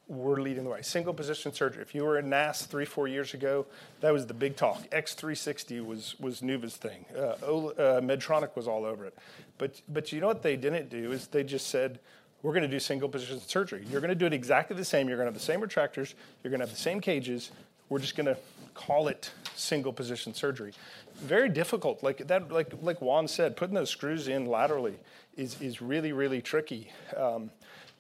we're leading the way. Single position surgery. If you were in NASS three, four years ago, that was the big talk. X360 was NuVasive's thing. Medtronic was all over it. But you know what they didn't do? They just said: We're going to do single position surgery. You're going to do it exactly the same. You're going to have the same retractors. You're going to have the same cages. We're just going to call it single position surgery. Very difficult. Like that, like Juan said, putting those screws in laterally is really, really tricky.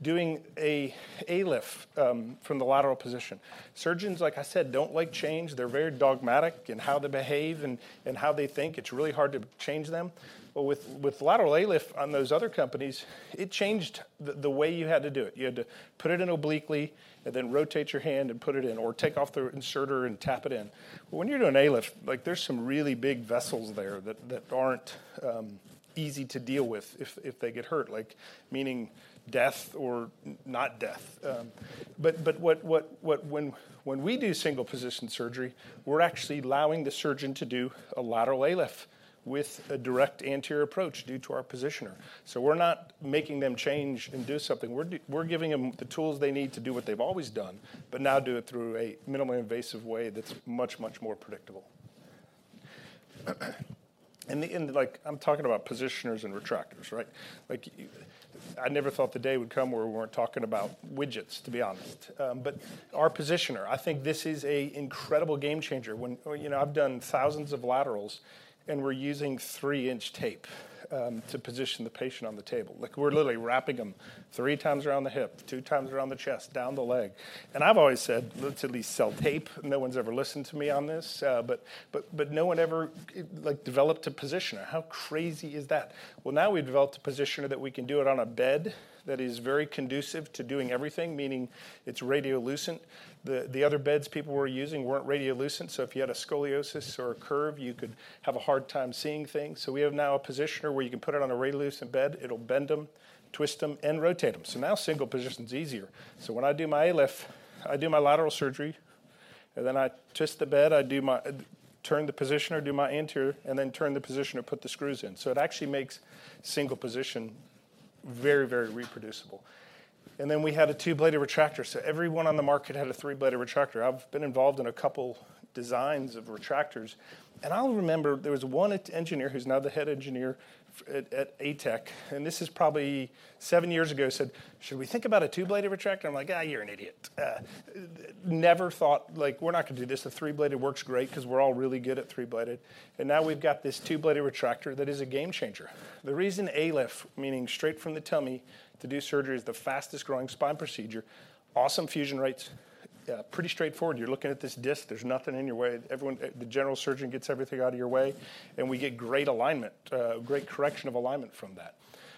Doing an ALIF from the lateral position. Surgeons, like I said, don't like change. They're very dogmatic in how they behave and how they think. It's really hard to change them. But with lateral ALIF on those other companies, it changed the way you had to do it. You had to put it in obliquely and then rotate your hand and put it in, or take off the inserter and tap it in. When you're doing ALIF, like, there's some really big vessels there that aren't easy to deal with if they get hurt, like, meaning death or not death. But what... When we do single position surgery, we're actually allowing the surgeon to do a lateral ALIF with a direct anterior approach due to our positioner. So we're not making them change and do something, we're giving them the tools they need to do what they've always done, but now do it through a minimally invasive way that's much, much more predictable. And the like, I'm talking about positioners and retractors, right? Like, I never thought the day would come where we weren't talking about widgets, to be honest. But our positioner, I think this is an incredible game changer. You know, I've done thousands of laterals, and we're using three-inch tape to position the patient on the table. Like, we're literally wrapping them three times around the hip, two times around the chest, down the leg. And I've always said, "Let's at least sell tape." No one's ever listened to me on this, but no one ever, like, developed a positioner. How crazy is that? Well, now we've developed a positioner that we can do it on a bed that is very conducive to doing everything, meaning it's radiolucent. The other beds people were using weren't radiolucent, so if you had a scoliosis or a curve, you could have a hard time seeing things. So we have now a positioner where you can put it on a radiolucent bed, it'll bend them, twist them, and rotate them. So now single position's easier. So when I do my ALIF, I do my lateral surgery, and then I twist the bed, I do my turn the positioner, do my anterior, and then turn the positioner, put the screws in. So it actually makes single position very, very reproducible. Then we have a two-bladed retractor. Everyone on the market had a three-bladed retractor. I've been involved in a couple designs of retractors, and I'll remember there was one engineer who's now the head engineer at ATEC, and this is probably seven years ago, said, "Should we think about a two-bladed retractor?" I'm like, "Ah, you're an idiot." Never thought, like, we're not going to do this. The three-bladed works great because we're all really good at three-bladed. Now we've got this two-bladed retractor that is a game changer. The reason ALIF, meaning straight from the tummy to do surgery, is the fastest growing spine procedure, awesome fusion rates, pretty straightforward. You're looking at this disc, there's nothing in your way. Everyone, the general surgeon gets everything out of your way, and we get great alignment, great correction of alignment from that.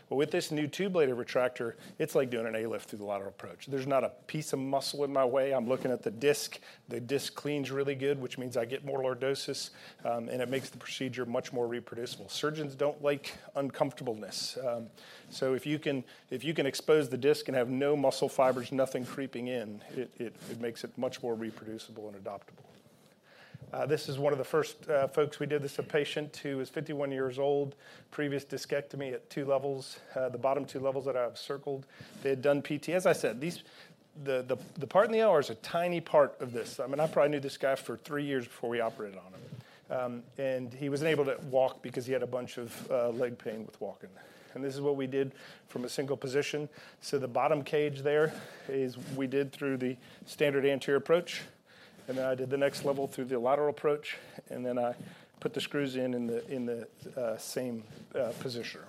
But with this new two-bladed retractor, it's like doing an ALIF through the lateral approach. There's not a piece of muscle in my way. I'm looking at the disc. The disc cleans really good, which means I get more lordosis, and it makes the procedure much more reproducible. Surgeons don't like uncomfortableness, so if you can, if you can expose the disc and have no muscle fibers, nothing creeping in, it makes it much more reproducible and adoptable. This is one of the first folks we did this, a patient who is 51 years old, previous discectomy at two levels, the bottom two levels that I've circled. They had done PT. As I said, the part in the OR is a tiny part of this. I mean, I probably knew this guy for three years before we operated on him. And he was unable to walk because he had a bunch of leg pain with walking. And this is what we did from a single position. So the bottom cage there is we did through the standard anterior approach, and then I did the next level through the lateral approach, and then I put the screws in the same positioner.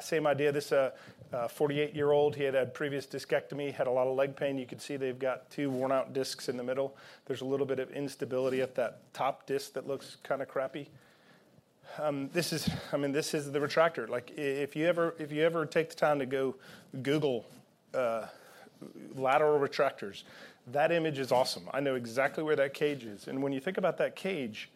Same idea. This, a 48-year-old. He had had previous discectomy, had a lot of leg pain. You can see they've got two worn out discs in the middle. There's a little bit of instability at that top disc that looks kind of crappy. This is, I mean, this is the retractor. Like, if you ever take the time to go Google lateral retractors, that image is awesome. I know exactly where that cage is, and when you think about that cage,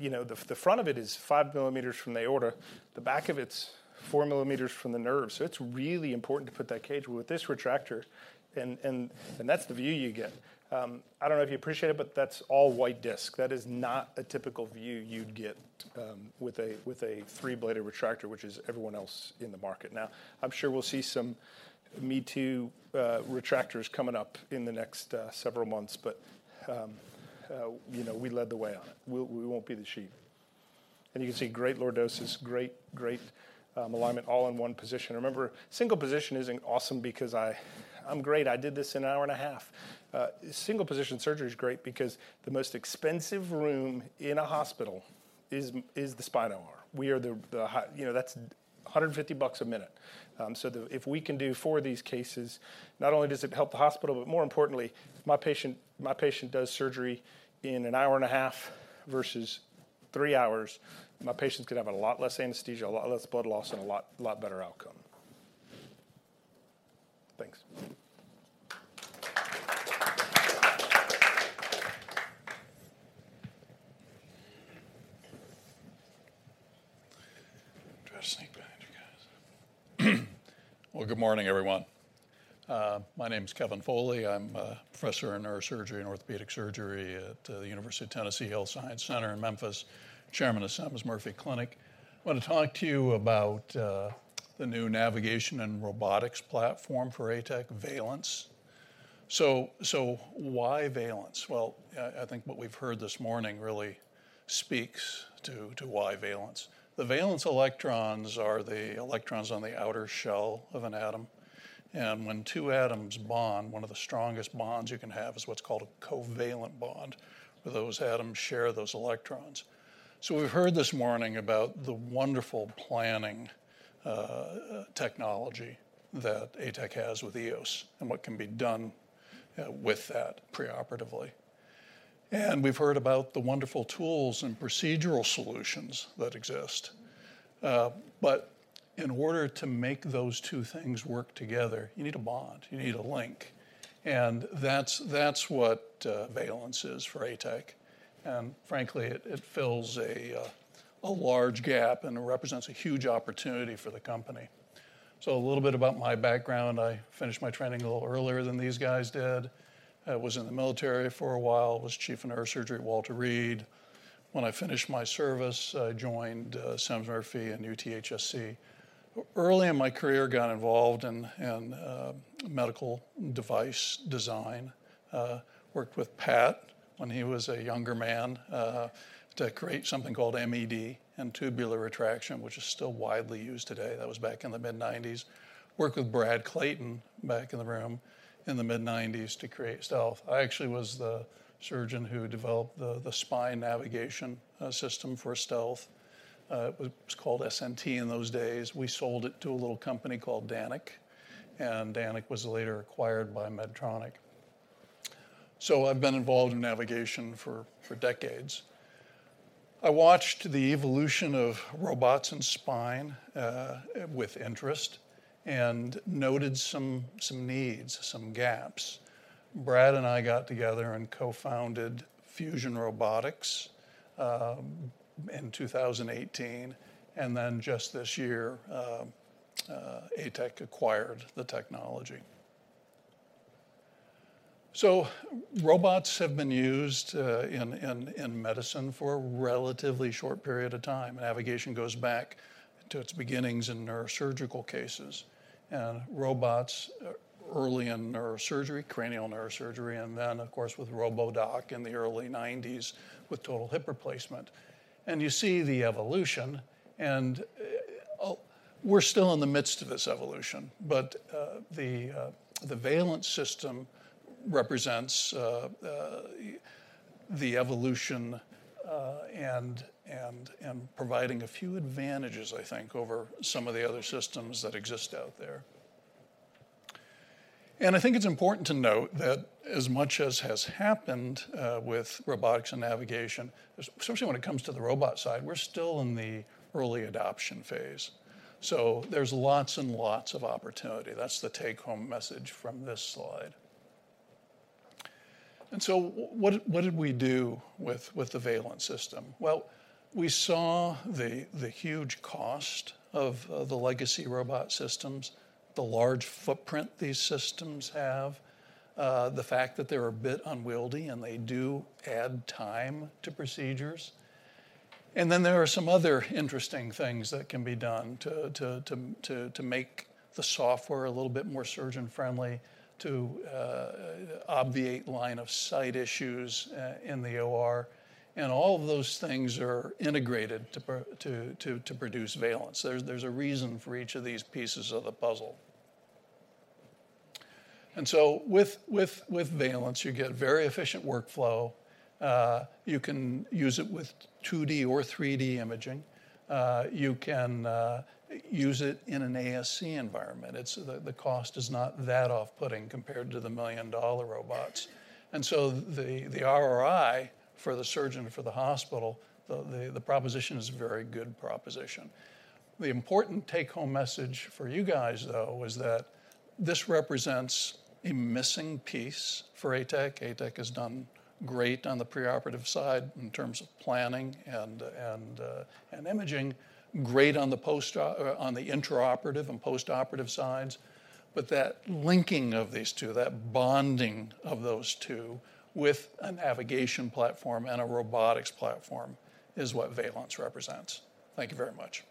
you know, the front of it is 5 mm from the aorta, the back of it's 4 mm from the nerve, so it's really important to put that cage with this retractor. And that's the view you get. I don't know if you appreciate it, but that's all white disc. That is not a typical view you'd get with a 3-bladed retractor, which is everyone else in the market. Now, I'm sure we'll see some me-too retractors coming up in the next several months, but you know, we led the way on it. We won't be the sheep. And you can see great lordosis, great, great alignment all in one position. Remember, single position isn't awesome because I'm great, I did this in an hour and a half. Single position surgery is great because the most expensive room in a hospital is the spine OR. You know, that's $150 a minute. If we can do four of these cases, not only does it help the hospital, but more importantly, my patient does surgery in an hour and a half versus three hours. My patients could have a lot less anesthesia, a lot less blood loss, and a lot better outcome. Thanks. Try to sneak behind you guys. Well, good morning, everyone. My name is Kevin Foley. I'm a Professor of Neurosurgery and Orthopedic surgery at the University of Tennessee Health Science Center in Memphis, Chairman of Semmes Murphey Clinic. I want to talk to you about the new navigation and robotics platform for ATEC, Valence. So, why Valence? Well, I think what we've heard this morning really speaks to why Valence. The valence electrons are the electrons on the outer shell of an atom, and when two atoms bond, one of the strongest bonds you can have is what's called a covalent bond, where those atoms share those electrons. So we've heard this morning about the wonderful planning technology that ATEC has with EOS and what can be done with that preoperatively. We've heard about the wonderful tools and procedural solutions that exist, but in order to make those two things work together, you need a bond, you need a link, and that's what Valence is for ATEC. And frankly, it fills a large gap and represents a huge opportunity for the company. So a little bit about my background. I finished my training a little earlier than these guys did. I was in the military for a while, was chief of neurosurgery at Walter Reed. When I finished my service, I joined Semmes Murphey and UTHSC. Early in my career, got involved in medical device design. Worked with Pat when he was a younger man, to create something called MED and tubular retraction, which is still widely used today. That was back in the mid-1990s. Worked with Brad Clayton, back in the room, in the mid-1990s to create Stealth. I actually was the surgeon who developed the spine navigation system for Stealth. It was called SNT in those days. We sold it to a little company called Danek, and Danek was later acquired by Medtronic. So I've been involved in navigation for decades. I watched the evolution of robots and spine with interest and noted some needs, some gaps. Brad and I got together and co-founded Fusion Robotics in 2018, and then just this year ATEC acquired the technology. So robots have been used in medicine for a relatively short period of time. Navigation goes back to its beginnings in neurosurgical cases, and robots early in neurosurgery, cranial neurosurgery, and then, of course, with ROBODOC in the early 1990s with total hip replacement. And you see the evolution, and, oh, we're still in the midst of this evolution, but the Valence system represents the evolution and providing a few advantages, I think, over some of the other systems that exist out there. And I think it's important to note that as much as has happened with robotics and navigation, especially when it comes to the robot side, we're still in the early adoption phase. So there's lots and lots of opportunity. That's the take-home message from this slide. And so what did we do with the Valence system? Well, we saw the huge cost of the legacy robot systems, the large footprint these systems have, the fact that they're a bit unwieldy, and they do add time to procedures. Then there are some other interesting things that can be done to make the software a little bit more surgeon-friendly, to obviate line of sight issues in the OR. And all of those things are integrated to produce Valence. There's a reason for each of these pieces of the puzzle. And so with Valence, you get very efficient workflow. You can use it with 2D or 3D imaging. You can use it in an ASC environment. It's the cost is not that off-putting compared to the million-dollar robots. So the ROI for the surgeon, for the hospital, the proposition is a very good proposition. The important take-home message for you guys, though, is that this represents a missing piece for ATEC. ATEC has done great on the preoperative side in terms of planning and imaging, great on the intraoperative and postoperative sides, but that linking of these two, that bonding of those two with a navigation platform and a robotics platform is what Valence represents. Thank you very much.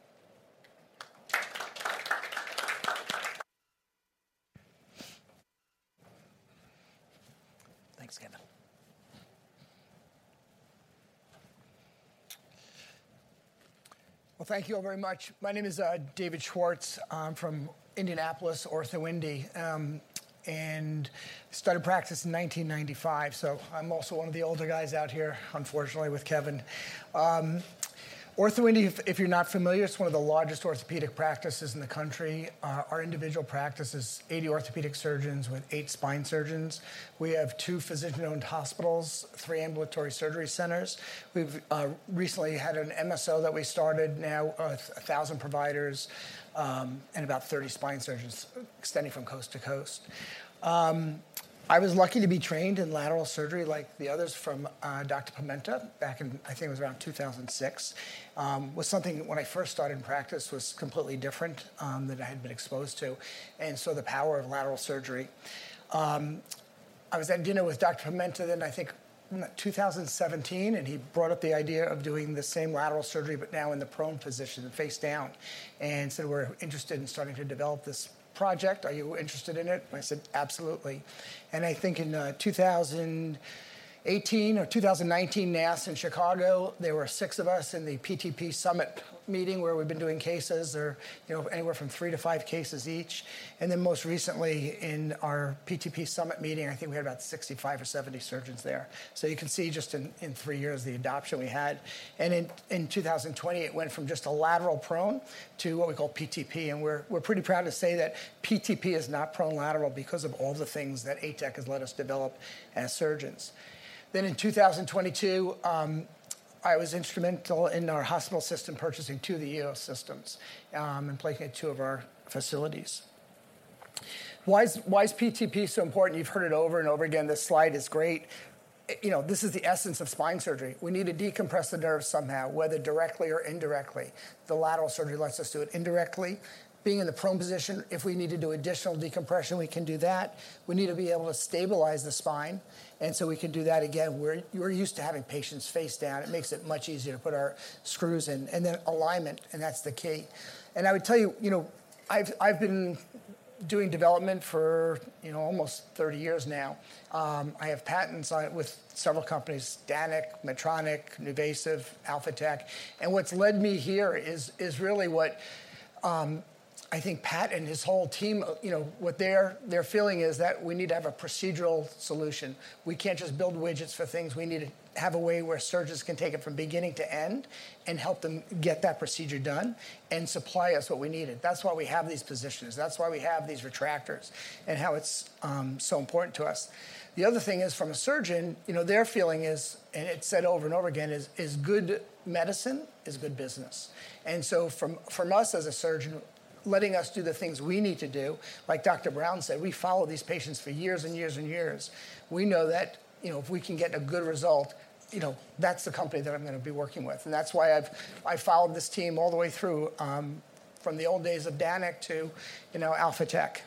Thanks, Kevin. Well, thank you all very much. My name is David Schwartz. I'm from Indianapolis, OrthoIndy, and started practice in 1995, so I'm also one of the older guys out here, unfortunately, with Kevin. OrthoIndy, if you're not familiar, it's one of the largest orthopedic practices in the country. Our individual practice is 80 orthopedic surgeons with 8 spine surgeons. We have two physician-owned hospitals, three ambulatory surgery centers. We've recently had an MSO that we started, now 1,000 providers, and about 30 spine surgeons extending from coast to coast. I was lucky to be trained in lateral surgery, like the others, from Dr. Pimenta, back in, I think it was around 2006. It was something that when I first started in practice, was completely different than I had been exposed to, and so the power of lateral surgery. I was at dinner with Dr. Pimenta in, I think, 2017, and he brought up the idea of doing the same lateral surgery, but now in the prone position, face down, and said, "We're interested in starting to develop this project. Are you interested in it?" I said, "Absolutely." And I think in 2018 or 2019, NASS in Chicago, there were six of us in the PTP Summit meeting, where we've been doing cases or, you know, anywhere from three to five cases each. And then most recently, in our PTP Summit meeting, I think we had about 65 or 70 surgeons there. So you can see just in three years, the adoption we had. In 2020, it went from just a lateral prone to what we call PTP, and we're pretty proud to say that PTP is not prone lateral because of all the things that ATEC has let us develop as surgeons. In 2022, I was instrumental in our hospital system purchasing two of the EOS systems and placing at two of our facilities. Why is PTP so important? You've heard it over and over again. This slide is great. You know, this is the essence of spine surgery. We need to decompress the nerve somehow, whether directly or indirectly. The lateral surgery lets us do it indirectly. Being in the prone position, if we need to do additional decompression, we can do that. We need to be able to stabilize the spine, and so we can do that again. We're used to having patients face down. It makes it much easier to put our screws in, and then alignment, and that's the key. And I would tell you, you know, I've been doing development for, you know, almost 30 years now. I have patents on it with several companies, Danek, Medtronic, NuVasive, Alphatec. And what's led me here is really what I think Pat and his whole team, you know, what their feeling is that we need to have a procedural solution. We can't just build widgets for things. We need to have a way where surgeons can take it from beginning to end and help them get that procedure done and supply us what we needed. That's why we have these positions. That's why we have these retractors and how it's so important to us. The other thing is, from a surgeon, you know, their feeling is, and it's said over and over again, is good medicine is good business. And so from us as a surgeon, letting us do the things we need to do, like Dr. Brown said, we follow these patients for years and years and years. We know that, you know, if we can get a good result, you know, that's the company that I'm gonna be working with. And that's why I've followed this team all the way through from the old days of Danek to, you know, Alphatec.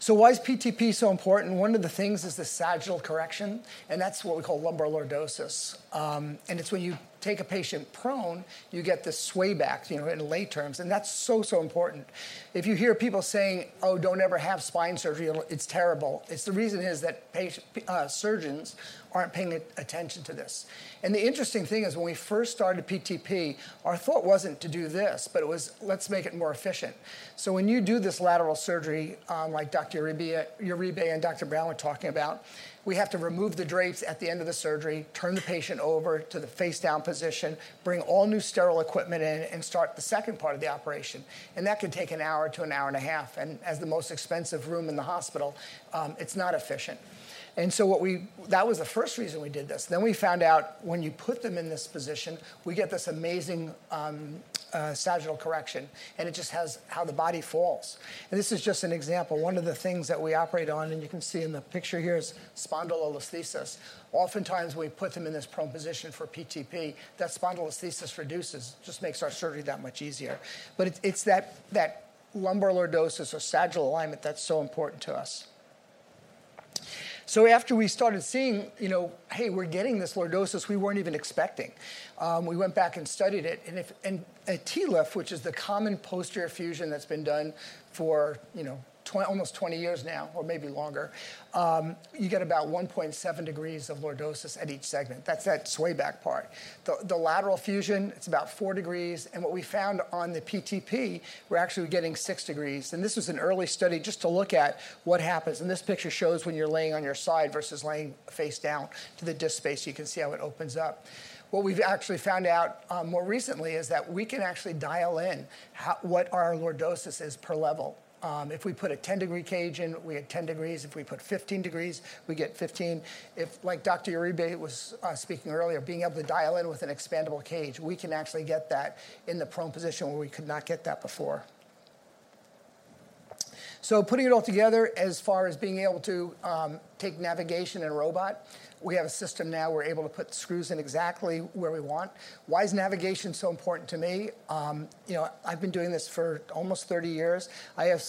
So why is PTP so important? One of the things is the sagittal correction, and that's what we call lumbar lordosis. And it's when you take a patient prone, you get this sway back, you know, in lay terms, and that's so, so important. If you hear people saying, "Oh, don't ever have spine surgery, it's terrible," it's the reason is that patient—surgeons aren't paying attention to this. And the interesting thing is, when we first started PTP, our thought wasn't to do this, but it was, "Let's make it more efficient." So when you do this lateral surgery, like Dr. Uribe, Uribe and Dr Brown. Were talking about, we have to remove the drapes at the end of the surgery, turn the patient over to the face down position, bring all new sterile equipment in, and start the second part of the operation, and that can take an hour to an hour and a half, and as the most expensive room in the hospital, it's not efficient. That was the first reason we did this. Then we found out, when you put them in this position, we get this amazing sagittal correction, and it just has how the body falls. And this is just an example. One of the things that we operate on, and you can see in the picture here, is spondylolisthesis. Oftentimes, when we put them in this prone position for PTP, that spondylolisthesis reduces, just makes our surgery that much easier. But it's that lumbar lordosis or sagittal alignment that's so important to us. So after we started seeing, you know, hey, we're getting this lordosis we weren't even expecting, we went back and studied it, and a TLIF, which is the common posterior fusion that's been done for, you know, almost 20 years now, or maybe longer, you get about 1.7 degrees of lordosis at each segment. That's that sway back part. The lateral fusion, it's about four degrees, and what we found on the PTP, we're actually getting six degrees, and this was an early study just to look at what happens, and this picture shows when you're laying on your side versus laying face down to the disc space. You can see how it opens up. What we've actually found out, more recently is that we can actually dial in what our lordosis is per level. If we put a 10-degree cage in, we have 10 degrees. If we put 15 degrees, we get 15. If, like Dr. Uribe was speaking earlier, being able to dial in with an expandable cage, we can actually get that in the prone position where we could not get that before. So putting it all together, as far as being able to take navigation and robot, we have a system now we're able to put screws in exactly where we want. Why is navigation so important to me? You know, I've been doing this for almost 30 years. I have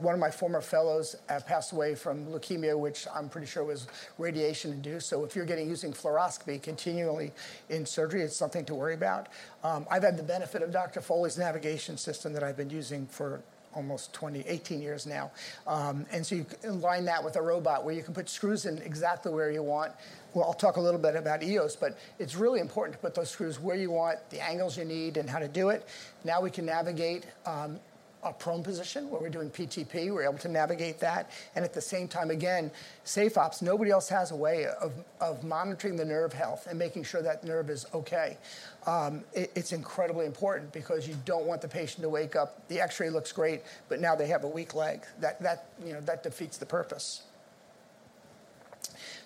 one of my former fellows passed away from leukemia, which I'm pretty sure was radiation-induced. So if you're getting using fluoroscopy continually in surgery, it's something to worry about. I've had the benefit of Dr. Foley's navigation system that I've been using for almost 18 years now. And so you can align that with a robot, where you can put screws in exactly where you want. Well, I'll talk a little bit about EOS, but it's really important to put those screws where you want, the angles you need, and how to do it. Now, we can navigate a prone position, where we're doing PTP. We're able to navigate that, and at the same time, again, SafeOp. Nobody else has a way of monitoring the nerve health and making sure that nerve is okay. It's incredibly important because you don't want the patient to wake up, the X-ray looks great, but now they have a weak leg. That, that, you know, that defeats the purpose.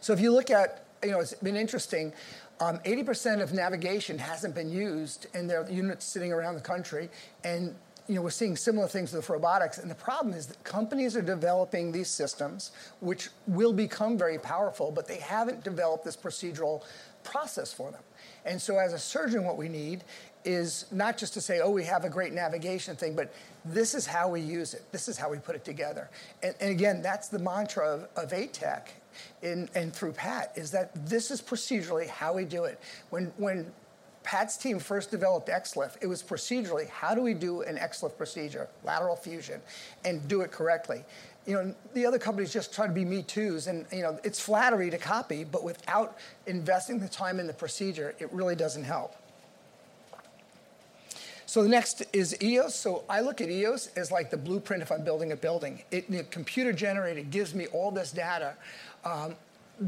So if you look at. You know, it's been interesting, 80% of navigation hasn't been used, and there are units sitting around the country, and, you know, we're seeing similar things with robotics. And the problem is that companies are developing these systems, which will become very powerful, but they haven't developed this procedural process for them. And so as a surgeon, what we need is not just to say, "Oh, we have a great navigation thing," but, "This is how we use it. This is how we put it together." And again, that's the mantra of ATEC, and through Pat, is that this is procedurally how we do it. When Pat's team first developed XLIF, it was procedurally, how do we do an XLIF procedure, lateral fusion, and do it correctly? You know, and the other companies just try to be me-toos, and, you know, it's flattery to copy, but without investing the time in the procedure, it really doesn't help. So the next is EOS. So I look at EOS as, like, the blueprint if I'm building a building. It, the computer-generated gives me all this data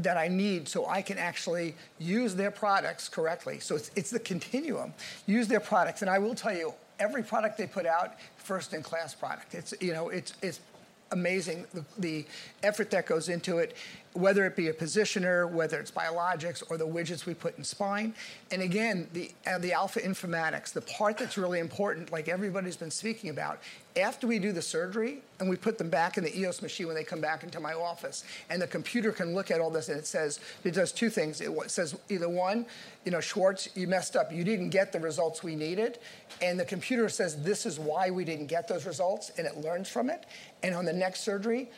that I need, so I can actually use their products correctly. So it's the continuum. Use their products, and I will tell you, every product they put out, first-in-class product. It's, you know, amazing the effort that goes into it, whether it be a positioner, whether it's biologics or the widgets we put in spine. Again, the AlphaInformatiX, the part that's really important, like everybody's been speaking about, after we do the surgery, and we put them back in the EOS machine when they come back into my office, and the computer can look at all this, and it says. It does two things. It says either, one, you know, "Schwartz, you messed up. You didn't get the results we needed," and the computer says, "This is why we didn't get those results," and it learns from it. And on the next surgery,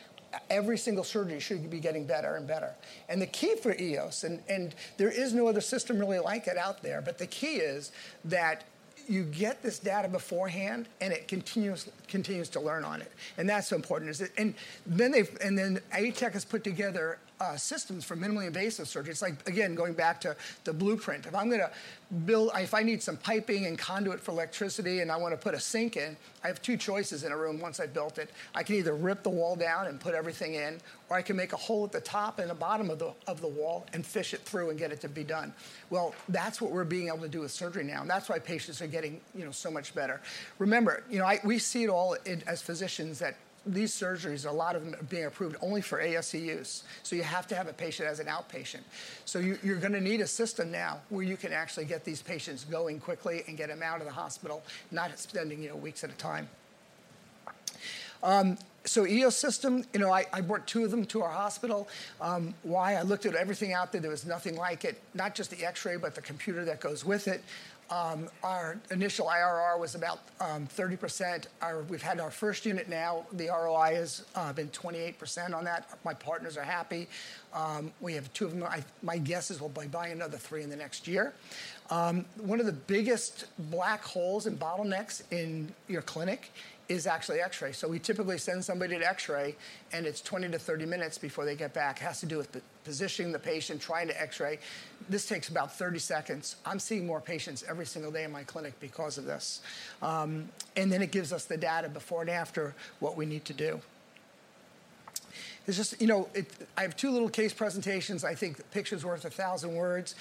every single surgery should be getting better and better. And the key for EOS, and there is no other system really like it out there, but the key is that you get this data beforehand, and it continues to learn on it, and that's so important. Is it... And then ATEC has put together systems for minimally invasive surgery. It's like, again, going back to the blueprint. If I need some piping and conduit for electricity, and I want to put a sink in, I have two choices in a room once I've built it. I can either rip the wall down and put everything in, or I can make a hole at the top and the bottom of the wall and fish it through and get it to be done. Well, that's what we're being able to do with surgery now, and that's why patients are getting, you know, so much better. Remember, you know, we see it all in, as physicians, that these surgeries, a lot of them are being approved only for ASC use, so you have to have a patient as an outpatient. So you, you're gonna need a system now, where you can actually get these patients going quickly and get them out of the hospital, not spending, you know, weeks at a time. So EOS system, you know, I, I brought two of them to our hospital. Why? I looked at everything out there, there was nothing like it, not just the X-ray, but the computer that goes with it. Our initial IRR was about 30%. We've had our first unit now. The ROI has been 28% on that. My partners are happy. We have two of them. I, my guess is we'll be buying another three in the next year. One of the biggest black holes and bottlenecks in your clinic is actually X-ray. So we typically send somebody to X-ray, and it's 20-30 minutes before they get back. It has to do with the positioning the patient, trying to X-ray. This takes about 30 seconds. I'm seeing more patients every single day in my clinic because of this. And then it gives us the data before and after what we need to do. There's just you know, I have two little case presentations. I think a picture's worth a thousand words.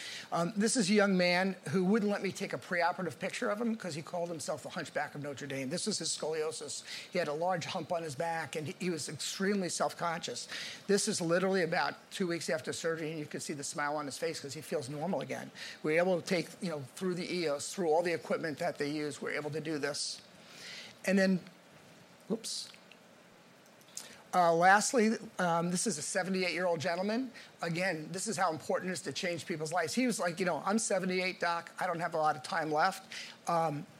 This is a young man who wouldn't let me take a preoperative picture of him 'cause he called himself the Hunchback of Notre Dame. This is his scoliosis. He had a large hump on his back, and he was extremely self-conscious. This is literally about two weeks after surgery, and you can see the smile on his face 'cause he feels normal again. We're able to take, you know, through the EOS, through all the equipment that they use, we're able to do this. Lastly, this is a 78-year-old gentleman. Again, this is how important it is to change people's lives. He was like, "You know, I'm 78, Doc. I don't have a lot of time left.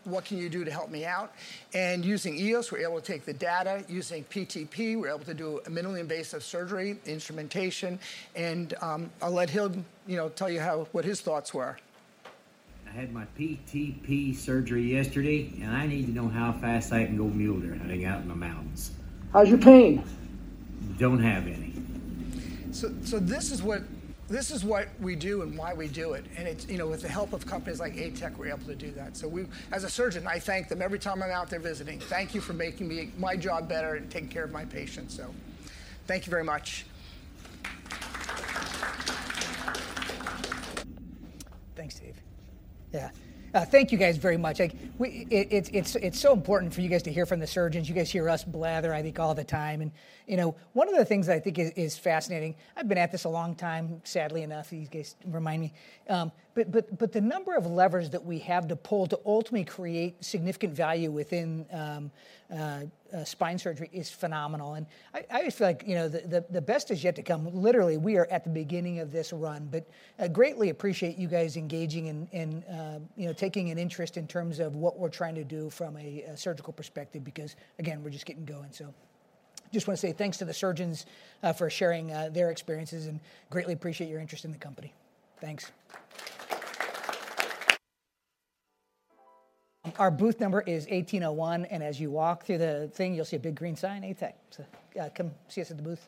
What can you do to help me out?" And using EOS, we're able to take the data. Using PTP, we're able to do a minimally invasive surgery, the instrumentation, and I'll let him, you know, tell you how, what his thoughts were. I had my PTP surgery yesterday, and I need to know how fast I can go mule deer hunting out in the mountains. How's your pain? Don't have any. So, so this is what, this is what we do and why we do it, and it's, you know, with the help of companies like ATEC, we're able to do that. So we. As a surgeon, I thank them every time I'm out there visiting. Thank you for making me, my job better and taking care of my patients, so thank you very much. Thanks, Dave. Yeah, thank you guys very much. Like, it's so important for you guys to hear from the surgeons. You guys hear us blather, I think, all the time, and, you know, one of the things I think is fascinating. I've been at this a long time, sadly enough, these guys remind me. But the number of levers that we have to pull to ultimately create significant value within spine surgery is phenomenal, and I just feel like, you know, the best is yet to come. Literally, we are at the beginning of this run, but I greatly appreciate you guys engaging and, you know, taking an interest in terms of what we're trying to do from a surgical perspective, because, again, we're just getting going. Just want to say thanks to the surgeons for sharing their experiences and greatly appreciate your interest in the company. Thanks. Our booth number is 1801, and as you walk through the thing, you'll see a big green sign, ATEC. Come see us at the booth.